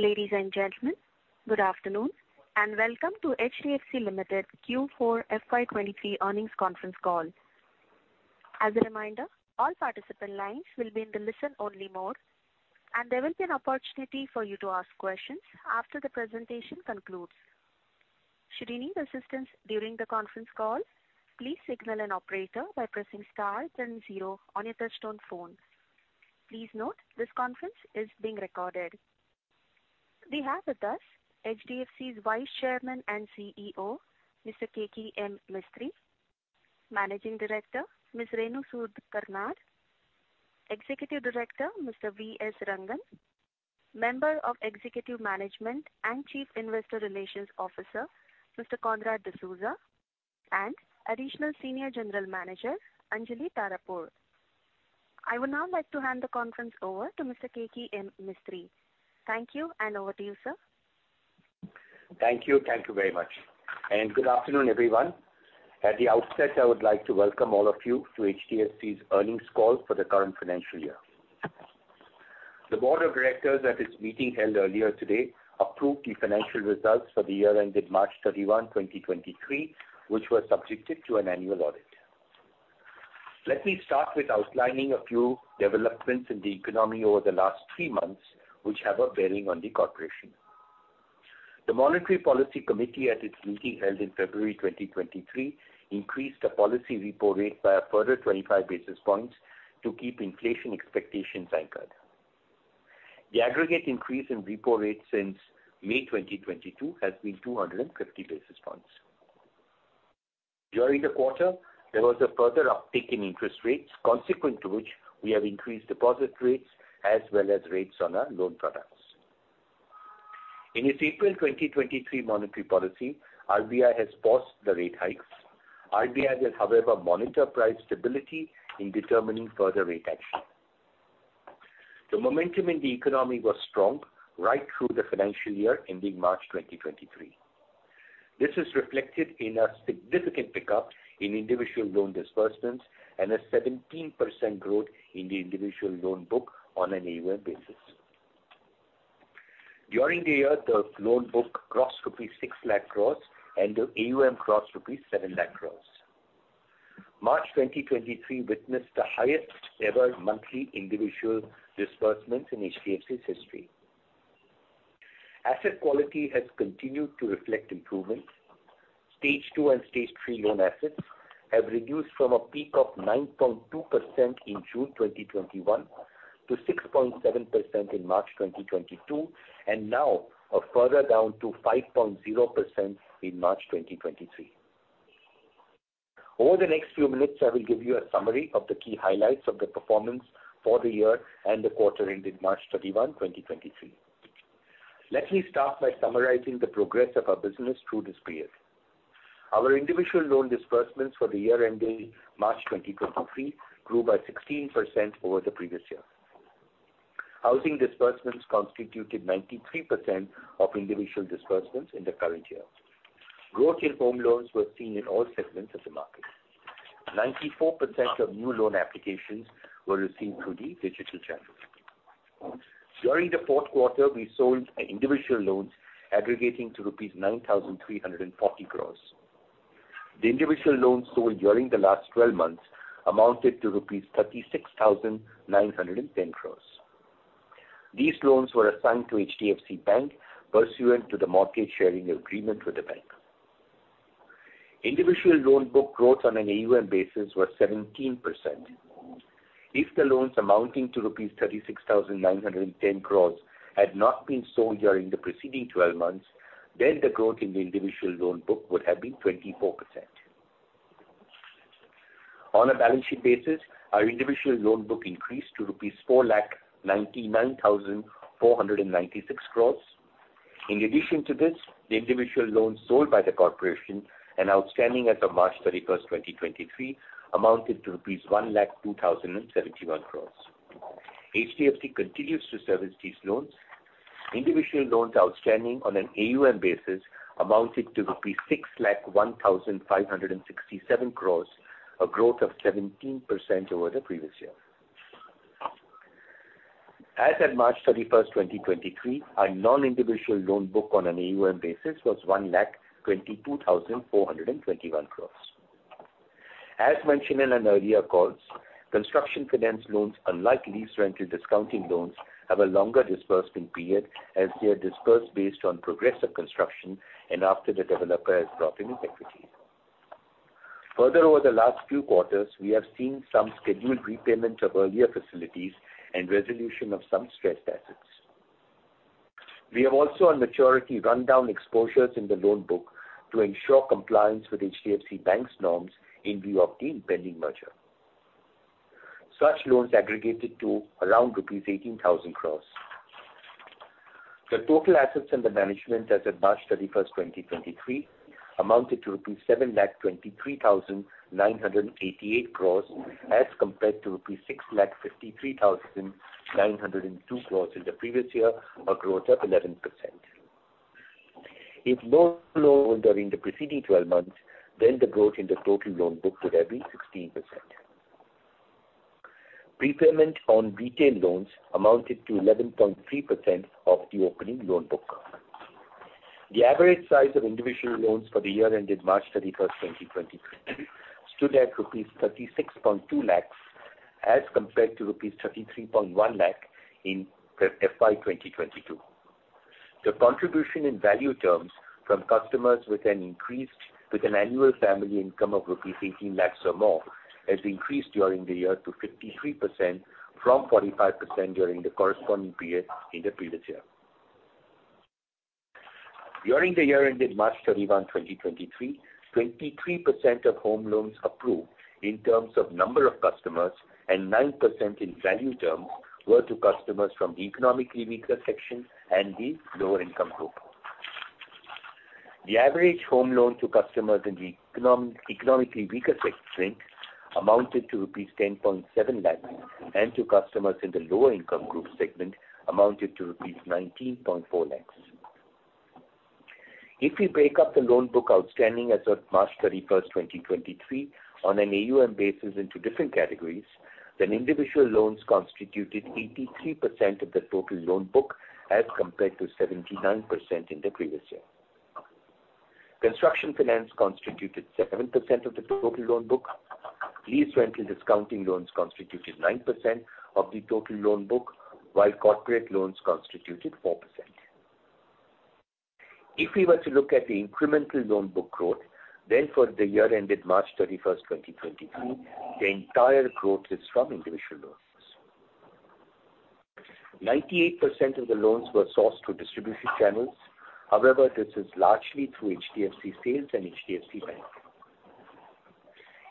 Ladies and gentlemen, good afternoon, and welcome to HDFC Limited Q4 FY23 earnings conference call. As a reminder, all participant lines will be in the listen-only mode, and there will be an opportunity for you to ask questions after the presentation concludes. Should you need assistance during the conference call, please signal an operator by pressing star then zero on your touchtone phone. Please note this conference is being recorded. We have with us HDFC's Vice Chairman and CEO, Mr. Keki M. Mistry. Managing Director, Ms. Renu Sud Karnad. Executive Director, Mr. V.S. Rangan. Member of Executive Management and Chief Investor Relations Officer, Mr. Conrad D'Souza. Additional Senior General Manager, Anjalee Tarapore. I would now like to hand the conference over to Mr. Keki M. Mistry. Thank you, and over to you, sir. Thank you. Thank you very much. Good afternoon, everyone. At the outset, I would like to welcome all of you to HDFC's earnings call for the current financial year. The board of directors at its meeting held earlier today approved the financial results for the year ended March 31, 2023, which were subjected to an annual audit. Let me start with outlining a few developments in the economy over the last three months, which have a bearing on the corporation. The Monetary Policy Committee at its meeting held in February 2023 increased the policy repo rate by a further 25 basis points to keep inflation expectations anchored. The aggregate increase in repo rate since May 2022 has been 250 basis points. During the quarter, there was a further uptick in interest rates, consequent to which we have increased deposit rates as well as rates on our loan products. In its April 2023 Monetary Policy, RBI has paused the rate hikes. RBI will, however, monitor price stability in determining further rate action. The momentum in the economy was strong right through the financial year ending March 2023. This is reflected in a significant pickup in individual loan disbursements and a 17% growth in the individual loan book on an AUM basis. During the year, the loan book crossed rupees 6 lakh crores and the AUM crossed rupees 7 lakh crores. March 2023 witnessed the highest ever monthly individual disbursements in HDFC's history. Asset quality has continued to reflect improvements. Stage two and Stage three loan assets have reduced from a peak of 9.2% in June 2021 to 6.7% in March 2022. Now are further down to 5.0% in March 2023. Over the next few minutes, I will give you a summary of the key highlights of the performance for the year and the quarter ending March 31, 2023. Let me start by summarizing the progress of our business through this period. Our individual loan disbursements for the year ending March 2023 grew by 16% over the previous year. Housing disbursements constituted 93% of individual disbursements in the current year. Growth in home loans were seen in all segments of the market. 94% of new loan applications were received through the digital channels. During the fourth quarter, we sold individual loans aggregating to rupees 9,340 crores. The individual loans sold during the last 12 months amounted to rupees 36,910 crores. These loans were assigned to HDFC Bank pursuant to the mortgage sharing agreement with the bank. Individual loan book growth on an AUM basis was 17%. If the loans amounting to rupees 36,910 crores had not been sold during the preceding 12 months, then the growth in the individual loan book would have been 24%. On a balance sheet basis, our individual loan book increased to rupees 4,99,496 crores. In addition to this, the individual loans sold by the corporation and outstanding as of March 31st, 2023 amounted to rupees 1,02,071 crores. HDFC continues to service these loans. Individual loans outstanding on an AUM basis amounted to rupees 601,567 crores, a growth of 17% over the previous year. As at March 31, 2023, our non-individual loan book on an AUM basis was 122,421 crores. As mentioned in an earlier calls, construction finance loans, unlike lease rental discounting loans, have a longer disbursing period as they are dispersed based on progressive construction and after the developer has brought in his equity. Over the last few quarters, we have seen some scheduled repayment of earlier facilities and resolution of some stressed assets. We have also a maturity rundown exposures in the loan book to ensure compliance with HDFC Bank's norms in view of the pending merger. Such loans aggregated to around 18,000 crores rupees. The total assets under management as at March 31st, 2023 amounted to 7,23,988 crores rupees as compared to 6,53,902 crores rupees in the previous year, a growth of 11%. If no loans are in the preceding 12 months, then the growth in the total loan book would have been 16%. Prepayment on retail loans amounted to 11.3% of the opening loan book. The average size of individual loans for the year ended March 31st, 2023 stood at rupees 36.2 lakhs as compared to rupees 33.1 lakh in FY22. The contribution in value terms from customers with an annual family income of 18 lakhs or more has increased during the year to 53% from 45% during the corresponding period in the previous year. During the year ended March 31, 2023, 23% of home loans approved in terms of number of customers and 9% in value terms were to customers from the economically weaker section and the lower income group. The average home loan to customers in the economically weaker section amounted to 10.7 lakhs rupees, and to customers in the lower income group segment amounted to 19.4 lakhs rupees. If we break up the loan book outstanding as of March 31, 2023 on an AUM basis into different categories, then individual loans constituted 83% of the total loan book as compared to 79% in the previous year. Construction finance constituted 7% of the total loan book. Lease rental discounting loans constituted 9% of the total loan book while corporate loans constituted 4%. If we were to look at the incremental loan book growth, then for the year ended March 31, 2023, the entire growth is from individual loans. 98% of the loans were sourced through distribution channels. However, this is largely through HDFC Sales and HDFC Bank.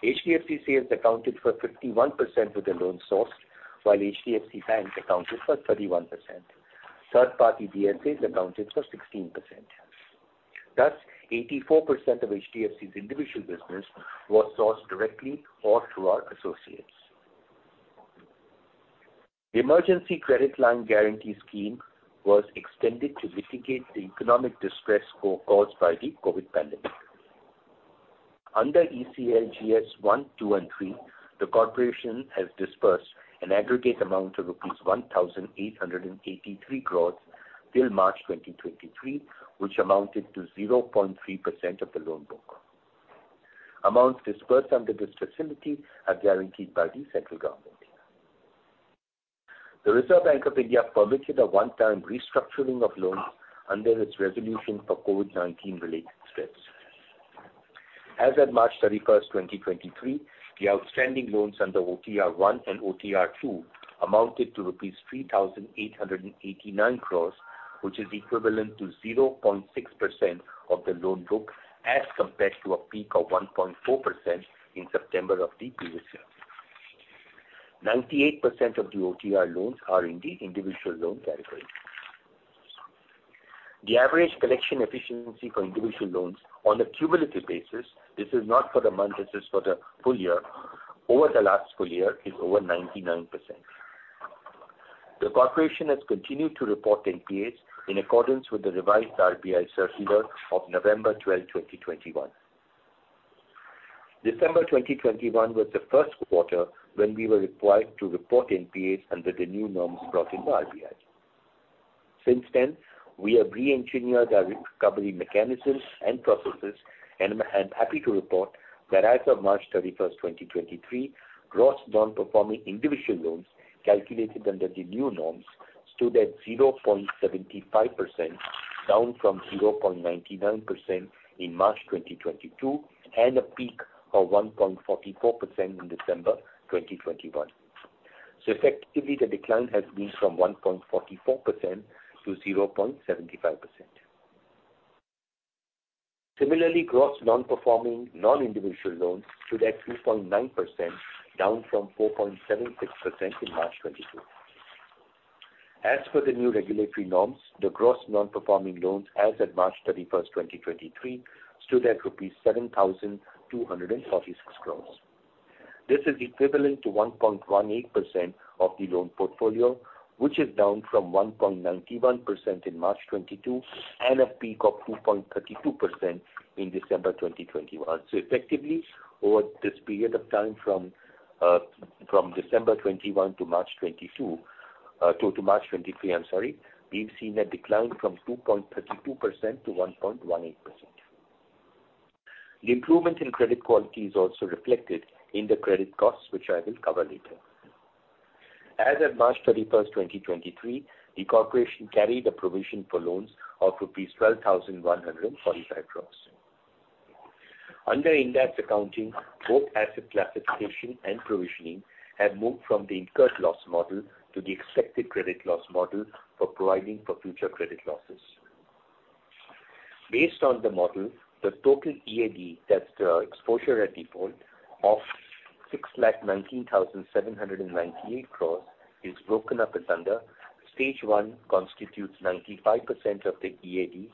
HDFC Sales accounted for 51% of the loans sourced, while HDFC Bank accounted for 31%. Third-party BFIs accounted for 16%. Thus, 84% of HDFC's individual business was sourced directly or through our associates. The Emergency Credit Line Guarantee Scheme was extended to mitigate the economic distress caused by the COVID pandemic. Under ECLGS 1.0, 2.0 and 3.0, the corporation has disbursed an aggregate amount of rupees 1,883 crores till March 2023, which amounted to 0.3% of the loan book. Amounts disbursed under this facility are guaranteed by the central government. The Reserve Bank of India permitted a one-time restructuring of loans under its resolution for COVID-19 related stress. As at March 31, 2023, the outstanding loans under OTR 1.0 and OTR 2.0 amounted to rupees 3,889 crores, which is equivalent to 0.6% of the loan book as compared to a peak of 1.4% in September of the previous year. 98% of the OTR loans are in the individual loan category. The average collection efficiency for individual loans on a cumulative basis, this is not for the month, this is for the full year, over the last full year is over 99%. The corporation has continued to report NPAs in accordance with the revised RBI circular of November 12, 2021. December 2021 was the first quarter when we were required to report NPAs under the new norms brought in by RBI. Since then, we have re-engineered our recovery mechanisms and processes and I'm happy to report that as of March 31st, 2023, gross non-performing individual loans calculated under the new norms stood at 0.75%, down from 0.99% in March 2022 and a peak of 1.44% in December 2021. Effectively, the decline has been from 1.44% to 0.75%. Similarly, gross non-performing non-individual loans stood at 2.9%, down from 4.76% in March 2022. As per the new regulatory norms, the gross non-performing loans as at March 31st, 2023, stood at rupees 7,246 crores. This is equivalent to 1.18% of the loan portfolio, which is down from 1.91% in March 2022 and a peak of 2.32% in December 2021. Effectively, over this period of time from December 2021 to March 2023, I'm sorry, we've seen a decline from 2.32% to 1.18%. The improvement in credit quality is also reflected in the credit costs, which I will cover later. As at March 31, 2023, the corporation carried a provision for loans of rupees 12,145 crores. Under Ind AS accounting, both asset classification and provisioning have moved from the incurred loss model to the Expected Credit Loss model for providing for future credit losses. Based on the model, the total EAD, that's the Exposure at Default, of 6,19,798 crore is broken up as under, Stage one constitutes 95% of the EAD,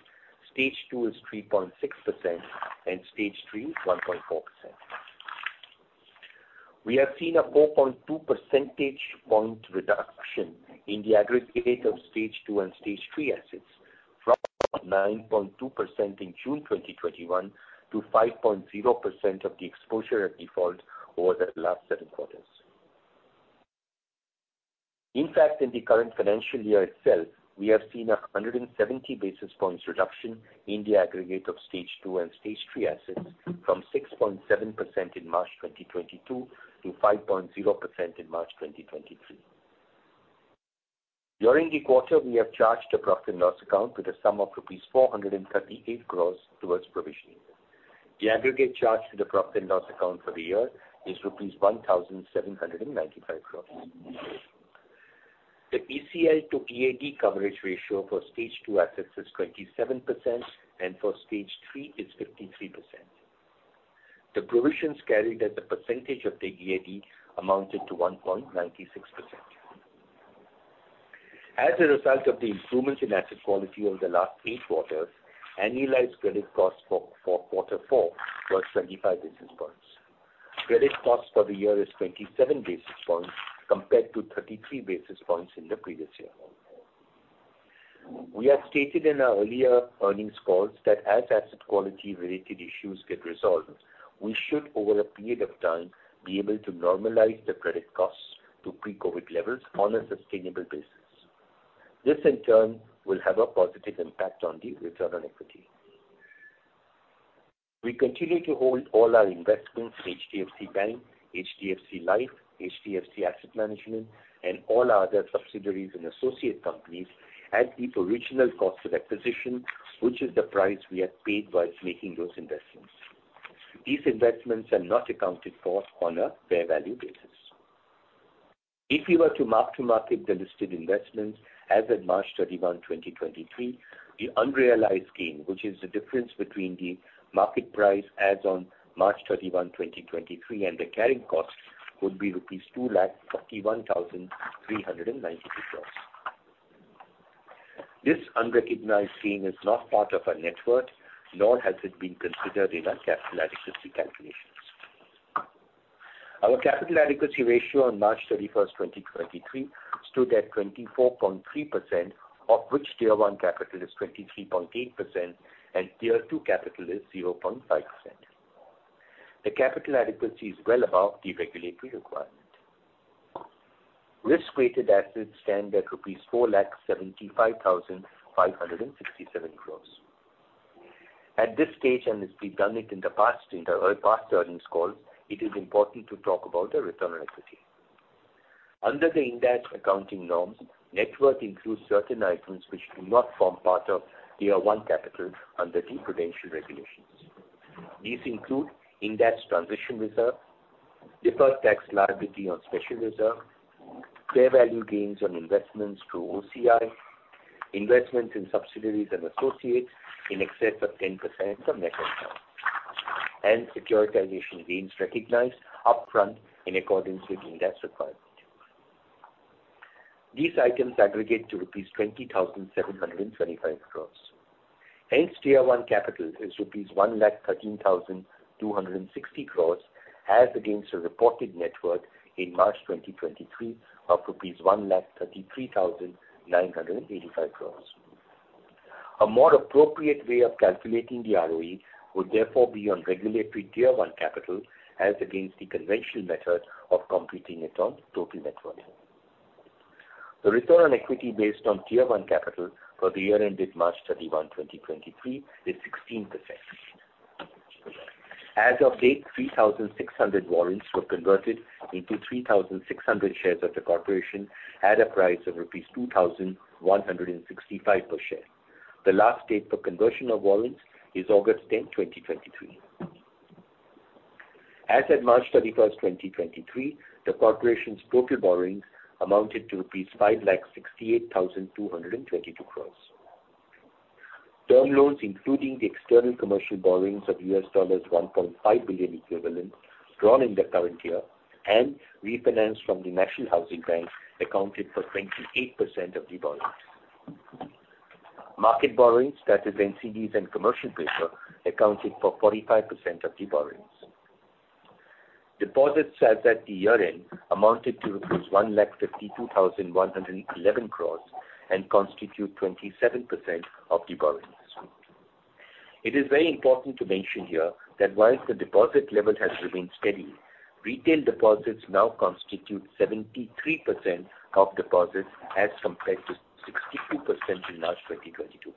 Stage two is 3.6% and Stage three is 1.4%. We have seen a 4.2 percentage point reduction in the aggregate of Stage two and Stage three assets from 9.2% in June 2021 to 5.0% of the Exposure at Default over the last seven quarters. In fact, in the current financial year itself, we have seen a 170 basis points reduction in the aggregate of Stage two and Stage three assets from 6.7% in March 2022 to 5.0% in March 2023. During the quarter, we have charged a profit and loss account to the sum of rupees 438 crores towards provisioning. The aggregate charge to the profit and loss account for the year is rupees 1,795 crores. The ECL to EAD coverage ratio for stage two assets is 27% and for stage three is 53%. The provisions carried as a percentage of the EAD amounted to 1.96%. As a result of the improvements in asset quality over the last 8 quarters, annualized credit costs for quarter four were 25 basis points. Credit costs for the year is 27 basis points compared to 33 basis points in the previous year. We have stated in our earlier earnings calls that as asset quality-related issues get resolved, we should, over a period of time, be able to normalize the credit costs to pre-COVID levels on a sustainable basis. This, in turn, will have a positive impact on the return on equity. We continue to hold all our investments in HDFC Bank, HDFC Life, HDFC Asset Management, and all other subsidiaries and associate companies at the original cost of acquisition, which is the price we have paid while making those investments. These investments are not accounted for on a fair value basis. If we were to mark-to-market the listed investments as at March 31, 2023, the unrealized gain, which is the difference between the market price as on March 31, 2023, and the carrying cost, would be rupees 2,31,392 crores. This unrecognized gain is not part of our net worth, nor has it been considered in our capital adequacy calculations. Our capital adequacy ratio on March 31, 2023, stood at 24.3%, of which Tier I capital is 23.8% and Tier 2 capital is 0.5%. The capital adequacy is well above the regulatory requirement. Risk-weighted assets stand at rupees 4,75,567 crores. At this stage, as we've done it in the past, in the past earnings call, it is important to talk about the return on equity. Under the Ind AS accounting norms, net worth includes certain items which do not form part of Tier I capital under the prudential regulations. These include Ind AS transition reserve, deferred tax liability on special reserve, fair value gains on investments through OCI, investments in subsidiaries and associates in excess of 10% of net worth, and securitization gains recognized upfront in accordance with Ind AS requirement. These items aggregate to rupees 20,725 crores. Hence, Tier I capital is rupees 1,13,260 crores as against the reported net worth in March 2023 of INR 1,33,985 crores. A more appropriate way of calculating the ROE would therefore be on regulatory Tier I capital as against the conventional method of completing it on total net worth. The return on equity based on Tier I capital for the year ended March 31, 2023, is 16%. As of date, 3,600 warrants were converted into 3,600 shares of the Corporation at a price of rupees 2,165 per share. The last date for conversion of warrants is August 10th, 2023. As at March 31st, 2023, the Corporation's total borrowings amounted to rupees 568,222 crore. Term loans, including the external commercial borrowings of $1.5 billion equivalent drawn in the current year and refinanced from the National Housing Bank, accounted for 28% of the borrowings. Market borrowings, that is NCDs and commercial paper, accounted for 45% of the borrowings. Deposits as at the year-end amounted to 152,111 crore and constitute 27% of the borrowings. It is very important to mention here that whilst the deposit level has remained steady, retail deposits now constitute 73% of deposits as compared to 62% in March 2022.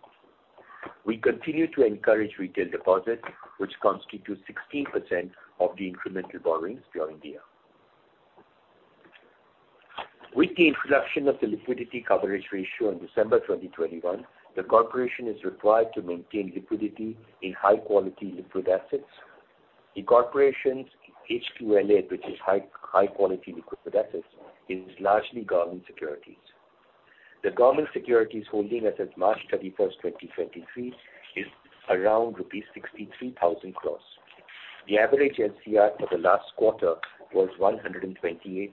We continue to encourage retail deposits, which constitute 16% of the incremental borrowings during the year. With the introduction of the liquidity coverage ratio in December 2021, the corporation is required to maintain liquidity in high quality liquid assets. The corporation's HQLA, which is high quality liquid assets, is largely government securities. The government securities holding as at March 31st, 2023, is around rupees 63,000 crores. The average LCR for the last quarter was 128%,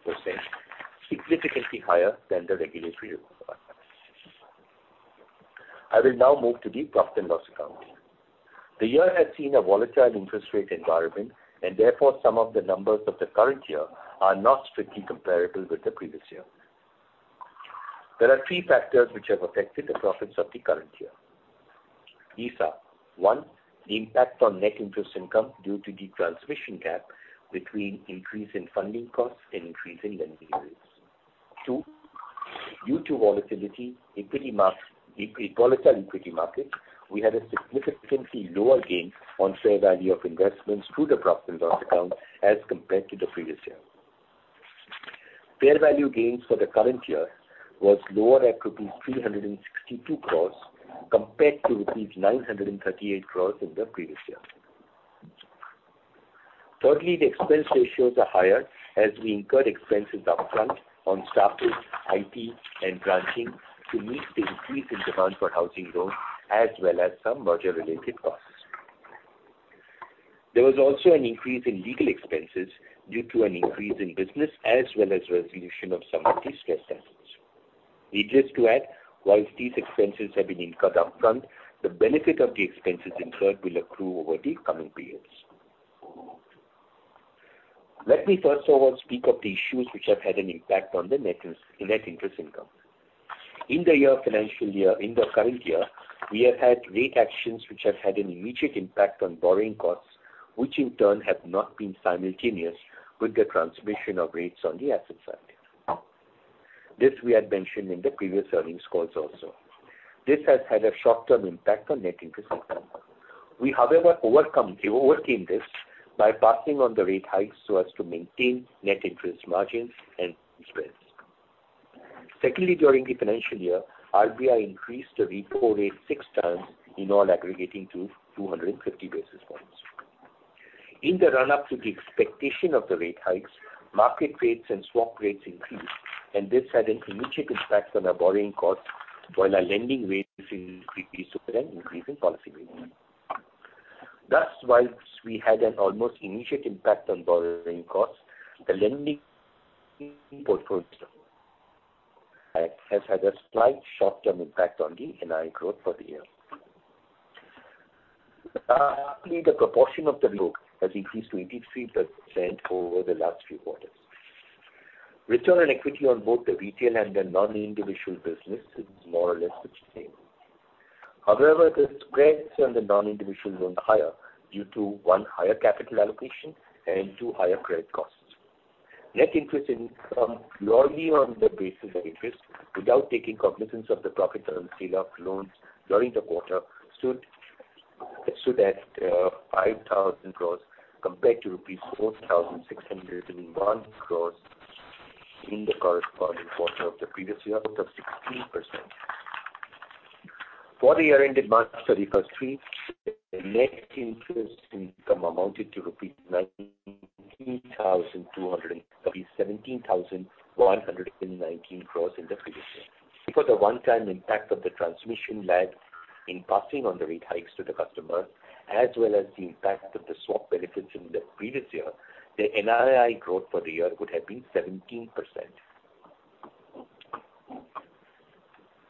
significantly higher than the regulatory requirement. I will now move to the profit and loss account. The year has seen a volatile interest rate environment and therefore some of the numbers of the current year are not strictly comparable with the previous year. There are three factors which have affected the profits of the current year. These are: One, the impact on Net Interest Income due to the transmission gap between increase in funding costs and increase in lending rates. Two, due to volatile equity market, we had a significantly lower gain on fair value of investments through the profit and loss account as compared to the previous year. Fair value gains for the current year was lower at rupees 362 crores compared to rupees 938 crores in the previous year. Thirdly, the expense ratios are higher as we incurred expenses upfront on staff, IT, and branching to meet the increase in demand for housing loans as well as some merger-related costs. There was also an increase in legal expenses due to an increase in business as well as resolution of some of the stress assets. Needless to add, whilst these expenses have been incurred upfront, the benefit of the expenses incurred will accrue over the coming periods. Let me first of all speak of the issues which have had an impact on the Net Interest Income. In the year financial year, in the current year, we have had rate actions which have had an immediate impact on borrowing costs, which in turn have not been simultaneous with the transmission of rates on the asset side. This we had mentioned in the previous earnings calls also. This has had a short-term impact on Net Interest Income. We, however, overcame this by passing on the rate hikes so as to maintain Net Interest Margins and spreads. During the financial year, RBI increased the repo rate 6x in all aggregating to 250 basis points. In the run up to the expectation of the rate hikes, market rates and swap rates increased. This had an immediate impact on our borrowing costs, while our lending rates increased with an increase in policy rates. Whilst we had an almost immediate impact on borrowing costs, the lending portfolio has had a slight short-term impact on the NII growth for the year. The proportion of the book has increased to 83% over the last few quarters. Return on equity on both the retail and the non-individual business is more or less the same. However, the spreads on the non-individual loans are higher due to, one, higher capital allocation, and two, higher credit costs. Net interest income largely on the basis of interest without taking cognizance of the profits on sale of loans during the quarter stood at 5,000 crores compared to rupees 4,601 crores in the corresponding quarter of the previous year, up by 16%. For the year ended March 31st, 2023, the net interest income amounted to rupees 17,119 crores in the previous year. Because of one time impact of the transmission lag in passing on the rate hikes to the customer, as well as the impact of the swap benefits in the previous year, the NII growth for the year would have been 17%.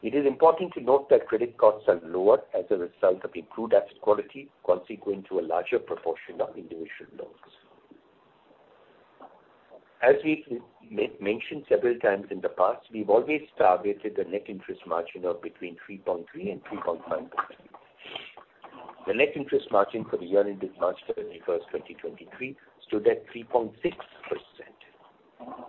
It is important to note that credit costs are lower as a result of improved asset quality consequent to a larger proportion of individual loans. As we've mentioned several times in the past, we've always targeted a net interest margin of between 3.3% and 3.5%. The net interest margin for the year ended March 31st, 2023 stood at 3.6%.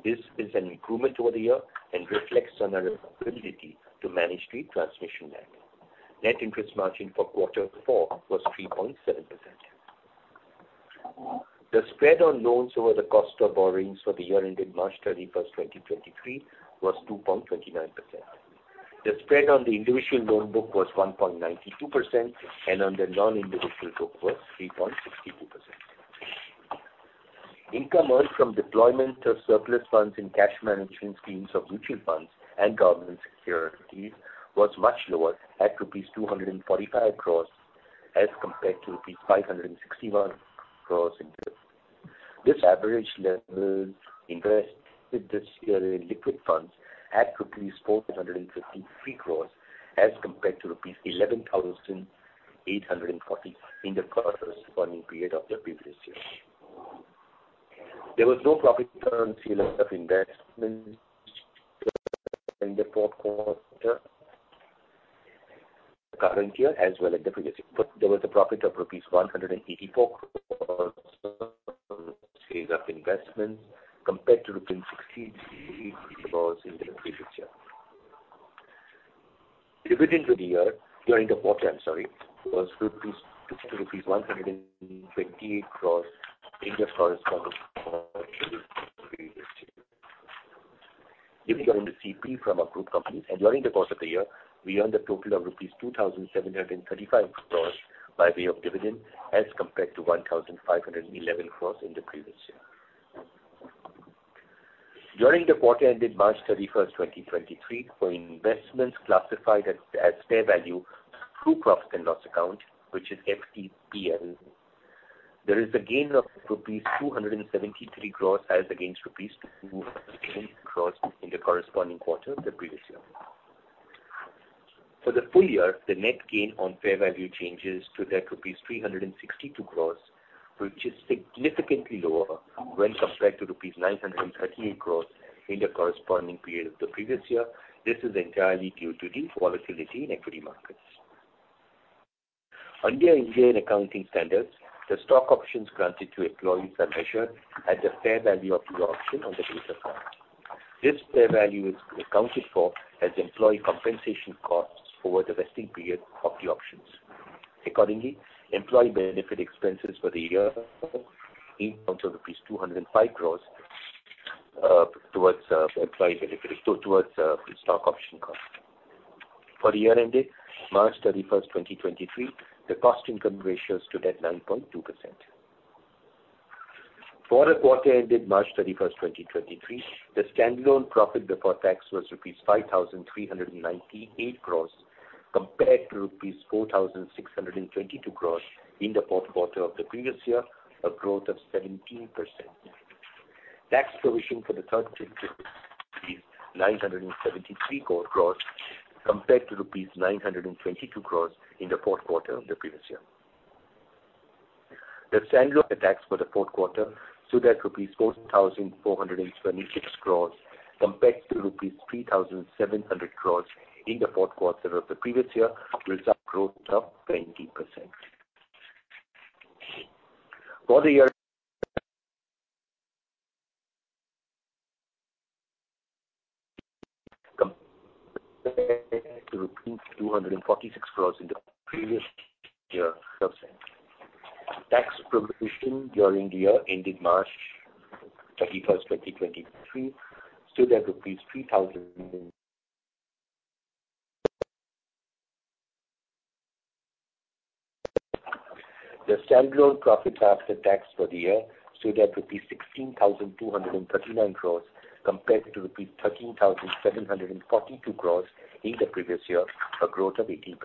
This is an improvement over the year and reflects on our ability to manage the transmission lag. Net interest margin for quarter four was 3.7%. The spread on loans over the cost of borrowings for the year ended March 31st, 2023 was 2.29%. The spread on the individual loan book was 1.92% and on the non-individual book was 3.62%. Income earned from deployment of surplus funds in cash management schemes of mutual funds and government securities was much lower at rupees 245 crores as compared to rupees 561 crores. Average levels invested this year in liquid funds at INR 453 crores as compared to rupees 11,840 in the corresponding period of the previous year. There was no profit on sale of investments in the fourth quarter current year as well as the previous year. There was a profit of rupees 184 crores on sale of investments compared to rupees 68 crores in the previous year. Dividends for the year, during the quarter, I'm sorry, was to INR 128 crores against corresponding previous year. Dividends received from our group companies during the course of the year, we earned a total of rupees 2,735 crores by way of dividend as compared to 1,511 crores in the previous year. During the quarter ended March 31, 2023, for investments classified as fair value through profit and loss account, which is FVPL. There is a gain of rupees 273 crores as against rupees crores in the corresponding quarter of the previous year. For the full year, the net gain on fair value changes stood at rupees 362 crores, which is significantly lower when compared to rupees 938 crores in the corresponding period of the previous year. This is entirely due to the volatility in equity markets. Under Indian accounting standards, the stock options granted to employees are measured at the fair value of the option on the date of grant. This fair value is accounted for as employee compensation costs over the vesting period of the options. Accordingly, employee benefit expenses for the year amounts of rupees 205 crores, towards employee benefits, towards stock option costs. For the year ending March 31, 2023, the cost-income ratio stood at 9.2%. For the quarter ending March 31, 2023, the standalone profit before tax was INR 5,398 crores compared to INR 4,622 crores in the fourth quarter of the previous year, a growth of 17%. Tax provision for the was rupees 973 crores compared to rupees 922 crores in the fourth quarter of the previous year. The standalone tax for the fourth quarter stood at rupees 4,426 crores compared to rupees 3,700 crores in the fourth quarter of the previous year, a sub-growth of 20%. For the year compared to 246 crores in the previous year. Tax provision during the year ending March 31, 2023, stood at INR 3,000. The standalone profit after tax for the year stood at 16,239 crores compared to rupees 13,742 crores in the previous year, a growth of 18%.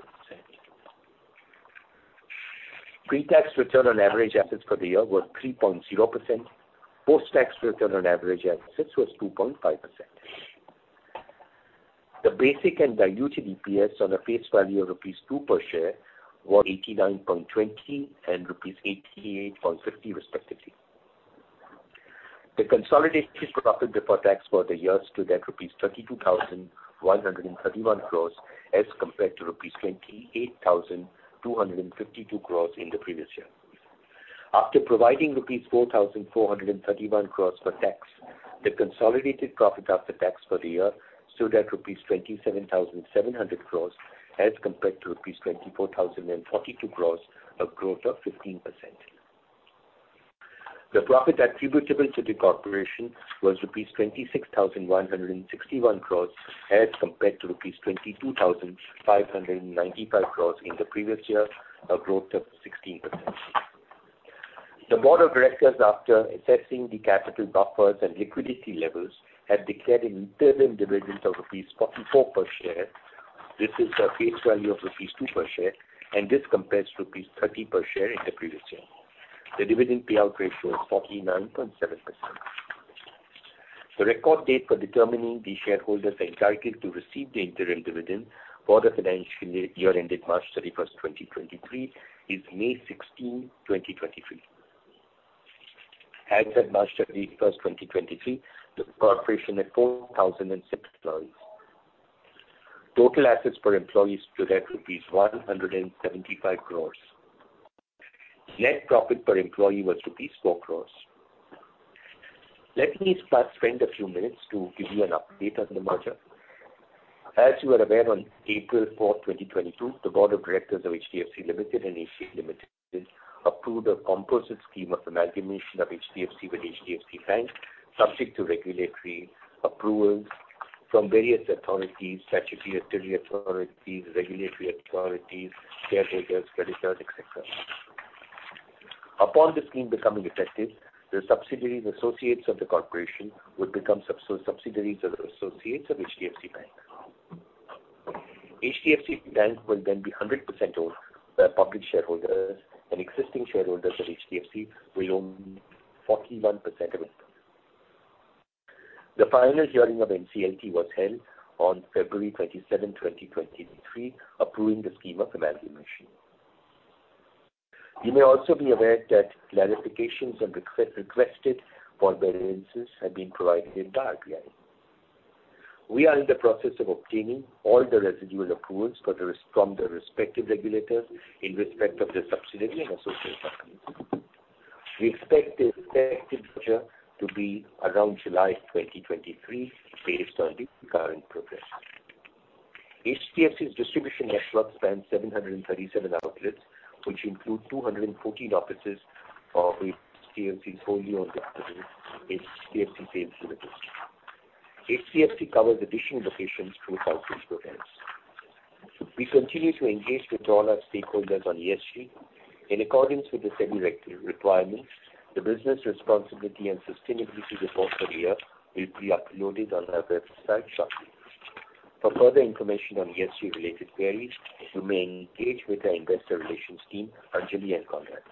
Pre-tax return on average assets for the year were 3.0%. Post-tax return on average assets was 2.5%. The basic and diluted EPS on a face value of rupees 2 per share were 89.20 rupees and rupees 88.50 respectively. The consolidated profit before tax for the year stood at rupees 32,131 crores as compared to rupees 28,252 crores in the previous year. After providing rupees 4,431 crores for tax, the consolidated profit after tax for the year stood at rupees 27,700 crores as compared to rupees 24,042 crores, a growth of 15%. The profit attributable to the corporation was rupees 26,161 crores as compared to rupees 22,595 crores in the previous year, a growth of 16%. The board of directors, after assessing the capital buffers and liquidity levels, have declared an interim dividend of rupees 44 per share. This is a face value of rupees 2 per share. This compares to rupees 30 per share in the previous year. The dividend payout ratio was 49.7%. The record date for determining the shareholders entitled to receive the interim dividend for the financial year ended March 31st, 2023, is May 16, 2023. As at March 31st, 2023, the corporation had 4,006 employees. Total assets per employee stood at rupees 175 crores. Net profit per employee was rupees 4 crores. Let me start spend a few minutes to give you an update on the merger. As you are aware, on April 4th, 2022, the board of directors of HDFC Limited and HDFC Bank Limited approved a Composite Scheme of Amalgamation of HDFC with HDFC Bank, subject to regulatory approvals from various authorities, statutory authorities, regulatory authorities, care takers, creditors, et cetera. Upon the scheme becoming effective, the subsidiaries associates of the corporation would become subsidiaries or associates of HDFC Bank. HDFC Bank will then be 100% owned by public shareholders, and existing shareholders of HDFC will own 41% of it. The final hearing of NCLT was held on February 27, 2023, approving the Composite Scheme of Amalgamation. You may also be aware that clarifications and requested for variances have been provided entirely. We are in the process of obtaining all the residual approvals from the respective regulators in respect of the subsidiary and associate companies. We expect the expected merger to be around July 2023, based on the current progress. HDFC's distribution network spans 737 outlets, which include 214 offices of HDFC's wholly-owned distribution company, HDFC Sales. HDFC covers additional locations through thousands of others. We continue to engage with all our stakeholders on ESG. In accordance with the SEBI requirements, the Business Responsibility and Sustainability Report for the year will be uploaded on our website shortly. For further information on ESG related queries, you may engage with our investor relations team, Anjali and Conrad.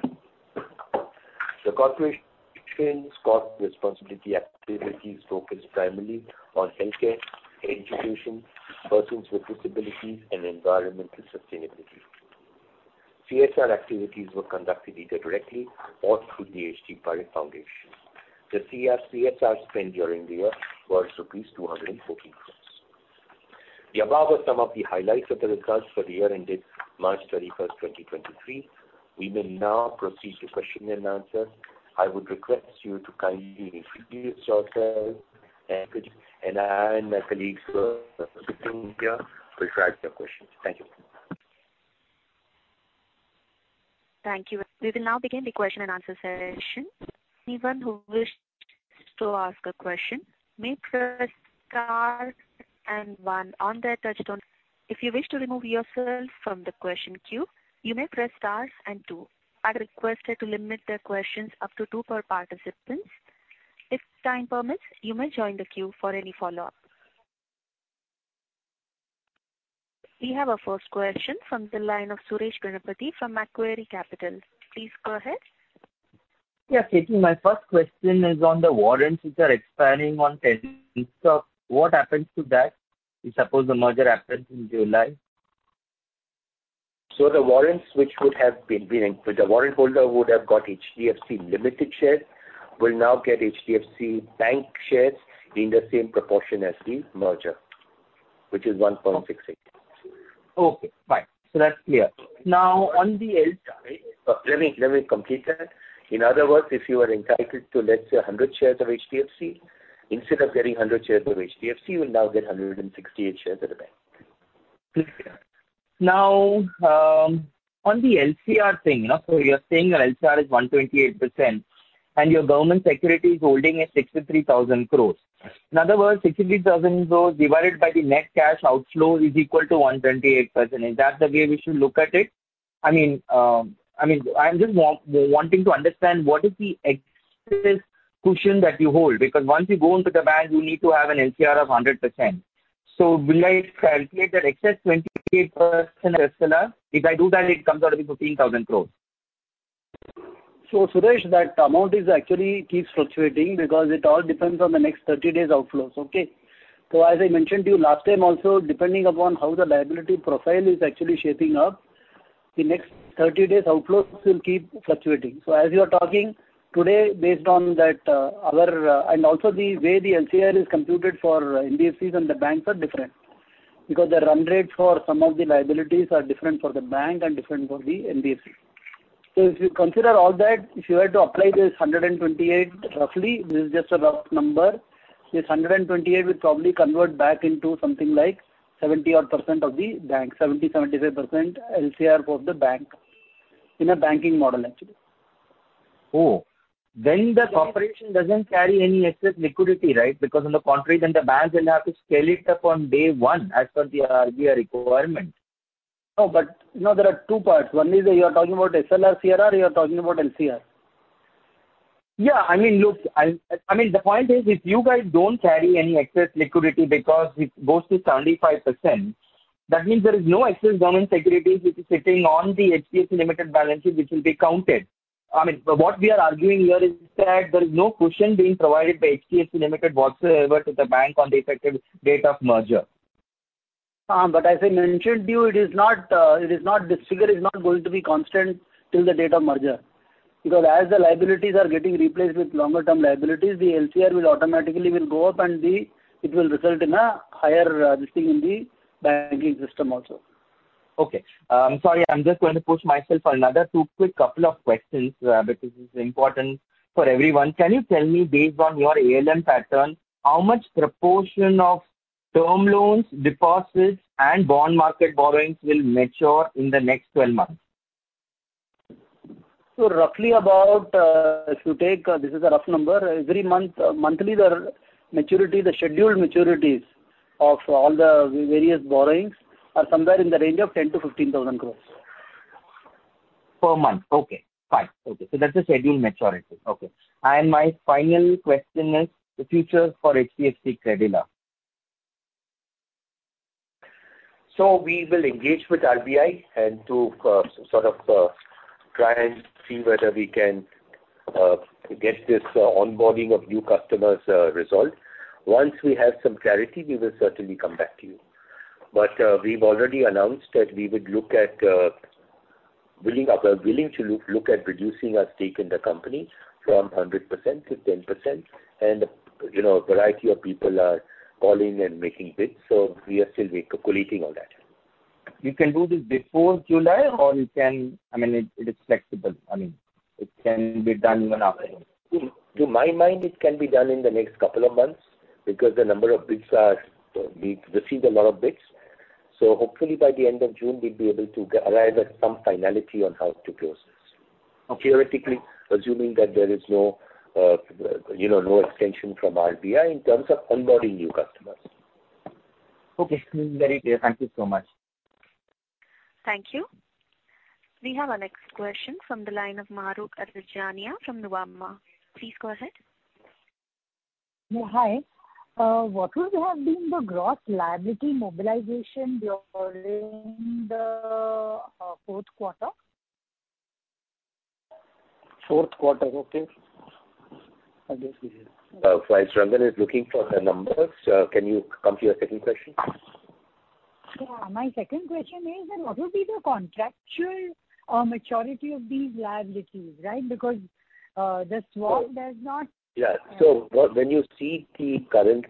The Corporation's corporate responsibility activities focus primarily on healthcare, education, persons with disabilities and environmental sustainability. CSR activities were conducted either directly or through the H T Parekh Foundation. The CSR spend during the year was 214 crore. The above are some of the highlights of the results for the year ended March 31, 2023. We may now proceed to question and answer. I would request you to kindly mute yourself and I and my colleagues who are sitting here will try your questions. Thank you. Thank you. We will now begin the question and answer session. Anyone who wished to ask a question may press star and one on their touch-tone. If you wish to remove yourself from the question queue, you may press stars and two. I request you to limit the questions up to two per participants. If time permits, you may join the queue for any follow-up. We have our first question from the line of Suresh Ganapathy from Macquarie Capital. Please go ahead. Yeah. KT, my first question is on the warrants which are expiring on tenth of, What happens to that if suppose the merger happens in July? The warrant holder would have got HDFC Limited shares will now get HDFC Bank shares in the same proportion as the merger, which is 1.68. Okay, fine. That's clear. Now on the. Let me complete that. In other words, if you are entitled to, let's say 100 shares of HDFC, instead of getting 100 shares of HDFC, you will now get 168 shares of the bank. On the LCR thing, you're saying your LCR is 128% and your government security is holding at 63,000 crores. In other words, 63,000 crores divided by the net cash outflow is equal to 128%. Is that the way we should look at it? I mean, I mean, I'm just wanting to understand what is the excess cushion that you hold because once you go into the bank you need to have an LCR of 100%. Will I calculate that excess 28% SLR? If I do that, it comes out to be 15,000 crores. Suresh, that amount actually keeps fluctuating because it all depends on the next 30 days outflows, okay. As I mentioned to you last time also, depending upon how the liability profile is actually shaping up, the next 30 days outflows will keep fluctuating. As you are talking today based on that, our, and also the way the LCR is computed for NBFCs and the banks are different because the run rates for some of the liabilities are different for the bank and different for the NBFC. If you consider all that, if you were to apply this 128, roughly, this is just a rough number. This 128 will probably convert back into something like 70 odd % of the bank, 70-75% LCR for the bank in a banking model, actually. The Corporation doesn't carry any excess liquidity, right? On the contrary then the banks will have to scale it up on day one as per the RBI requirement. No, you know there are two parts. One is you are talking about SLR CRR or you are talking about LCR. Yeah. I mean, look, I mean, the point is if you guys don't carry any excess liquidity because it goes to 75%, that means there is no excess government securities which is sitting on the HDFC Limited balance sheet which will be counted. I mean, what we are arguing here is that there is no cushion being provided by HDFC Limited whatsoever to the bank on the effective date of merger. As I mentioned to you, it is not, this figure is not going to be constant till the date of merger because as the liabilities are getting replaced with longer term liabilities, the LCR will automatically go up and it will result in a higher this thing in the banking system also. Okay. I'm sorry, I'm just going to push myself another two quick couple of questions, because this is important for everyone. Can you tell me based on your ALM pattern, how much proportion of term loans, deposits and bond market borrowings will mature in the next 12 months? Roughly about, if you take, this is a rough number. Every month, monthly there are maturity, the scheduled maturities of all the various borrowings are somewhere in the range of 10,000-15,000 crores. Per month. Okay, fine. Okay. So that's the scheduled maturity. Okay. My final question is the future for HDFC Credila. We will engage with RBI and to sort of try and see whether we can get this onboarding of new customers resolved. Once we have some clarity, we will certainly come back to you. We've already announced that we would look at willing, we're willing to look at reducing our stake in the company from 100% to 10%. You know, a variety of people are calling and making bids, so we are still recalculating all that. You can do this before July, or you can. I mean, it is flexible. I mean, it can be done even after. To my mind, it can be done in the next couple of months because we've received a lot of bids. Hopefully by the end of June we'll be able to arrive at some finality on how to close this. Okay. Theoretically, assuming that there is no, you know, no extension from RBI in terms of onboarding new customers. Okay. Very clear. Thank you so much. Thank you. We have our next question from the line of Mahrukh Adajania from Nuvama. Please go ahead. Hi. What would have been the gross liability mobilization during the fourth quarter? Fourth quarter. Okay. While Rangana is looking for the numbers, can you come to your second question? Yeah. My second question is that what would be the contractual maturity of these liabilities, right? When you see the current,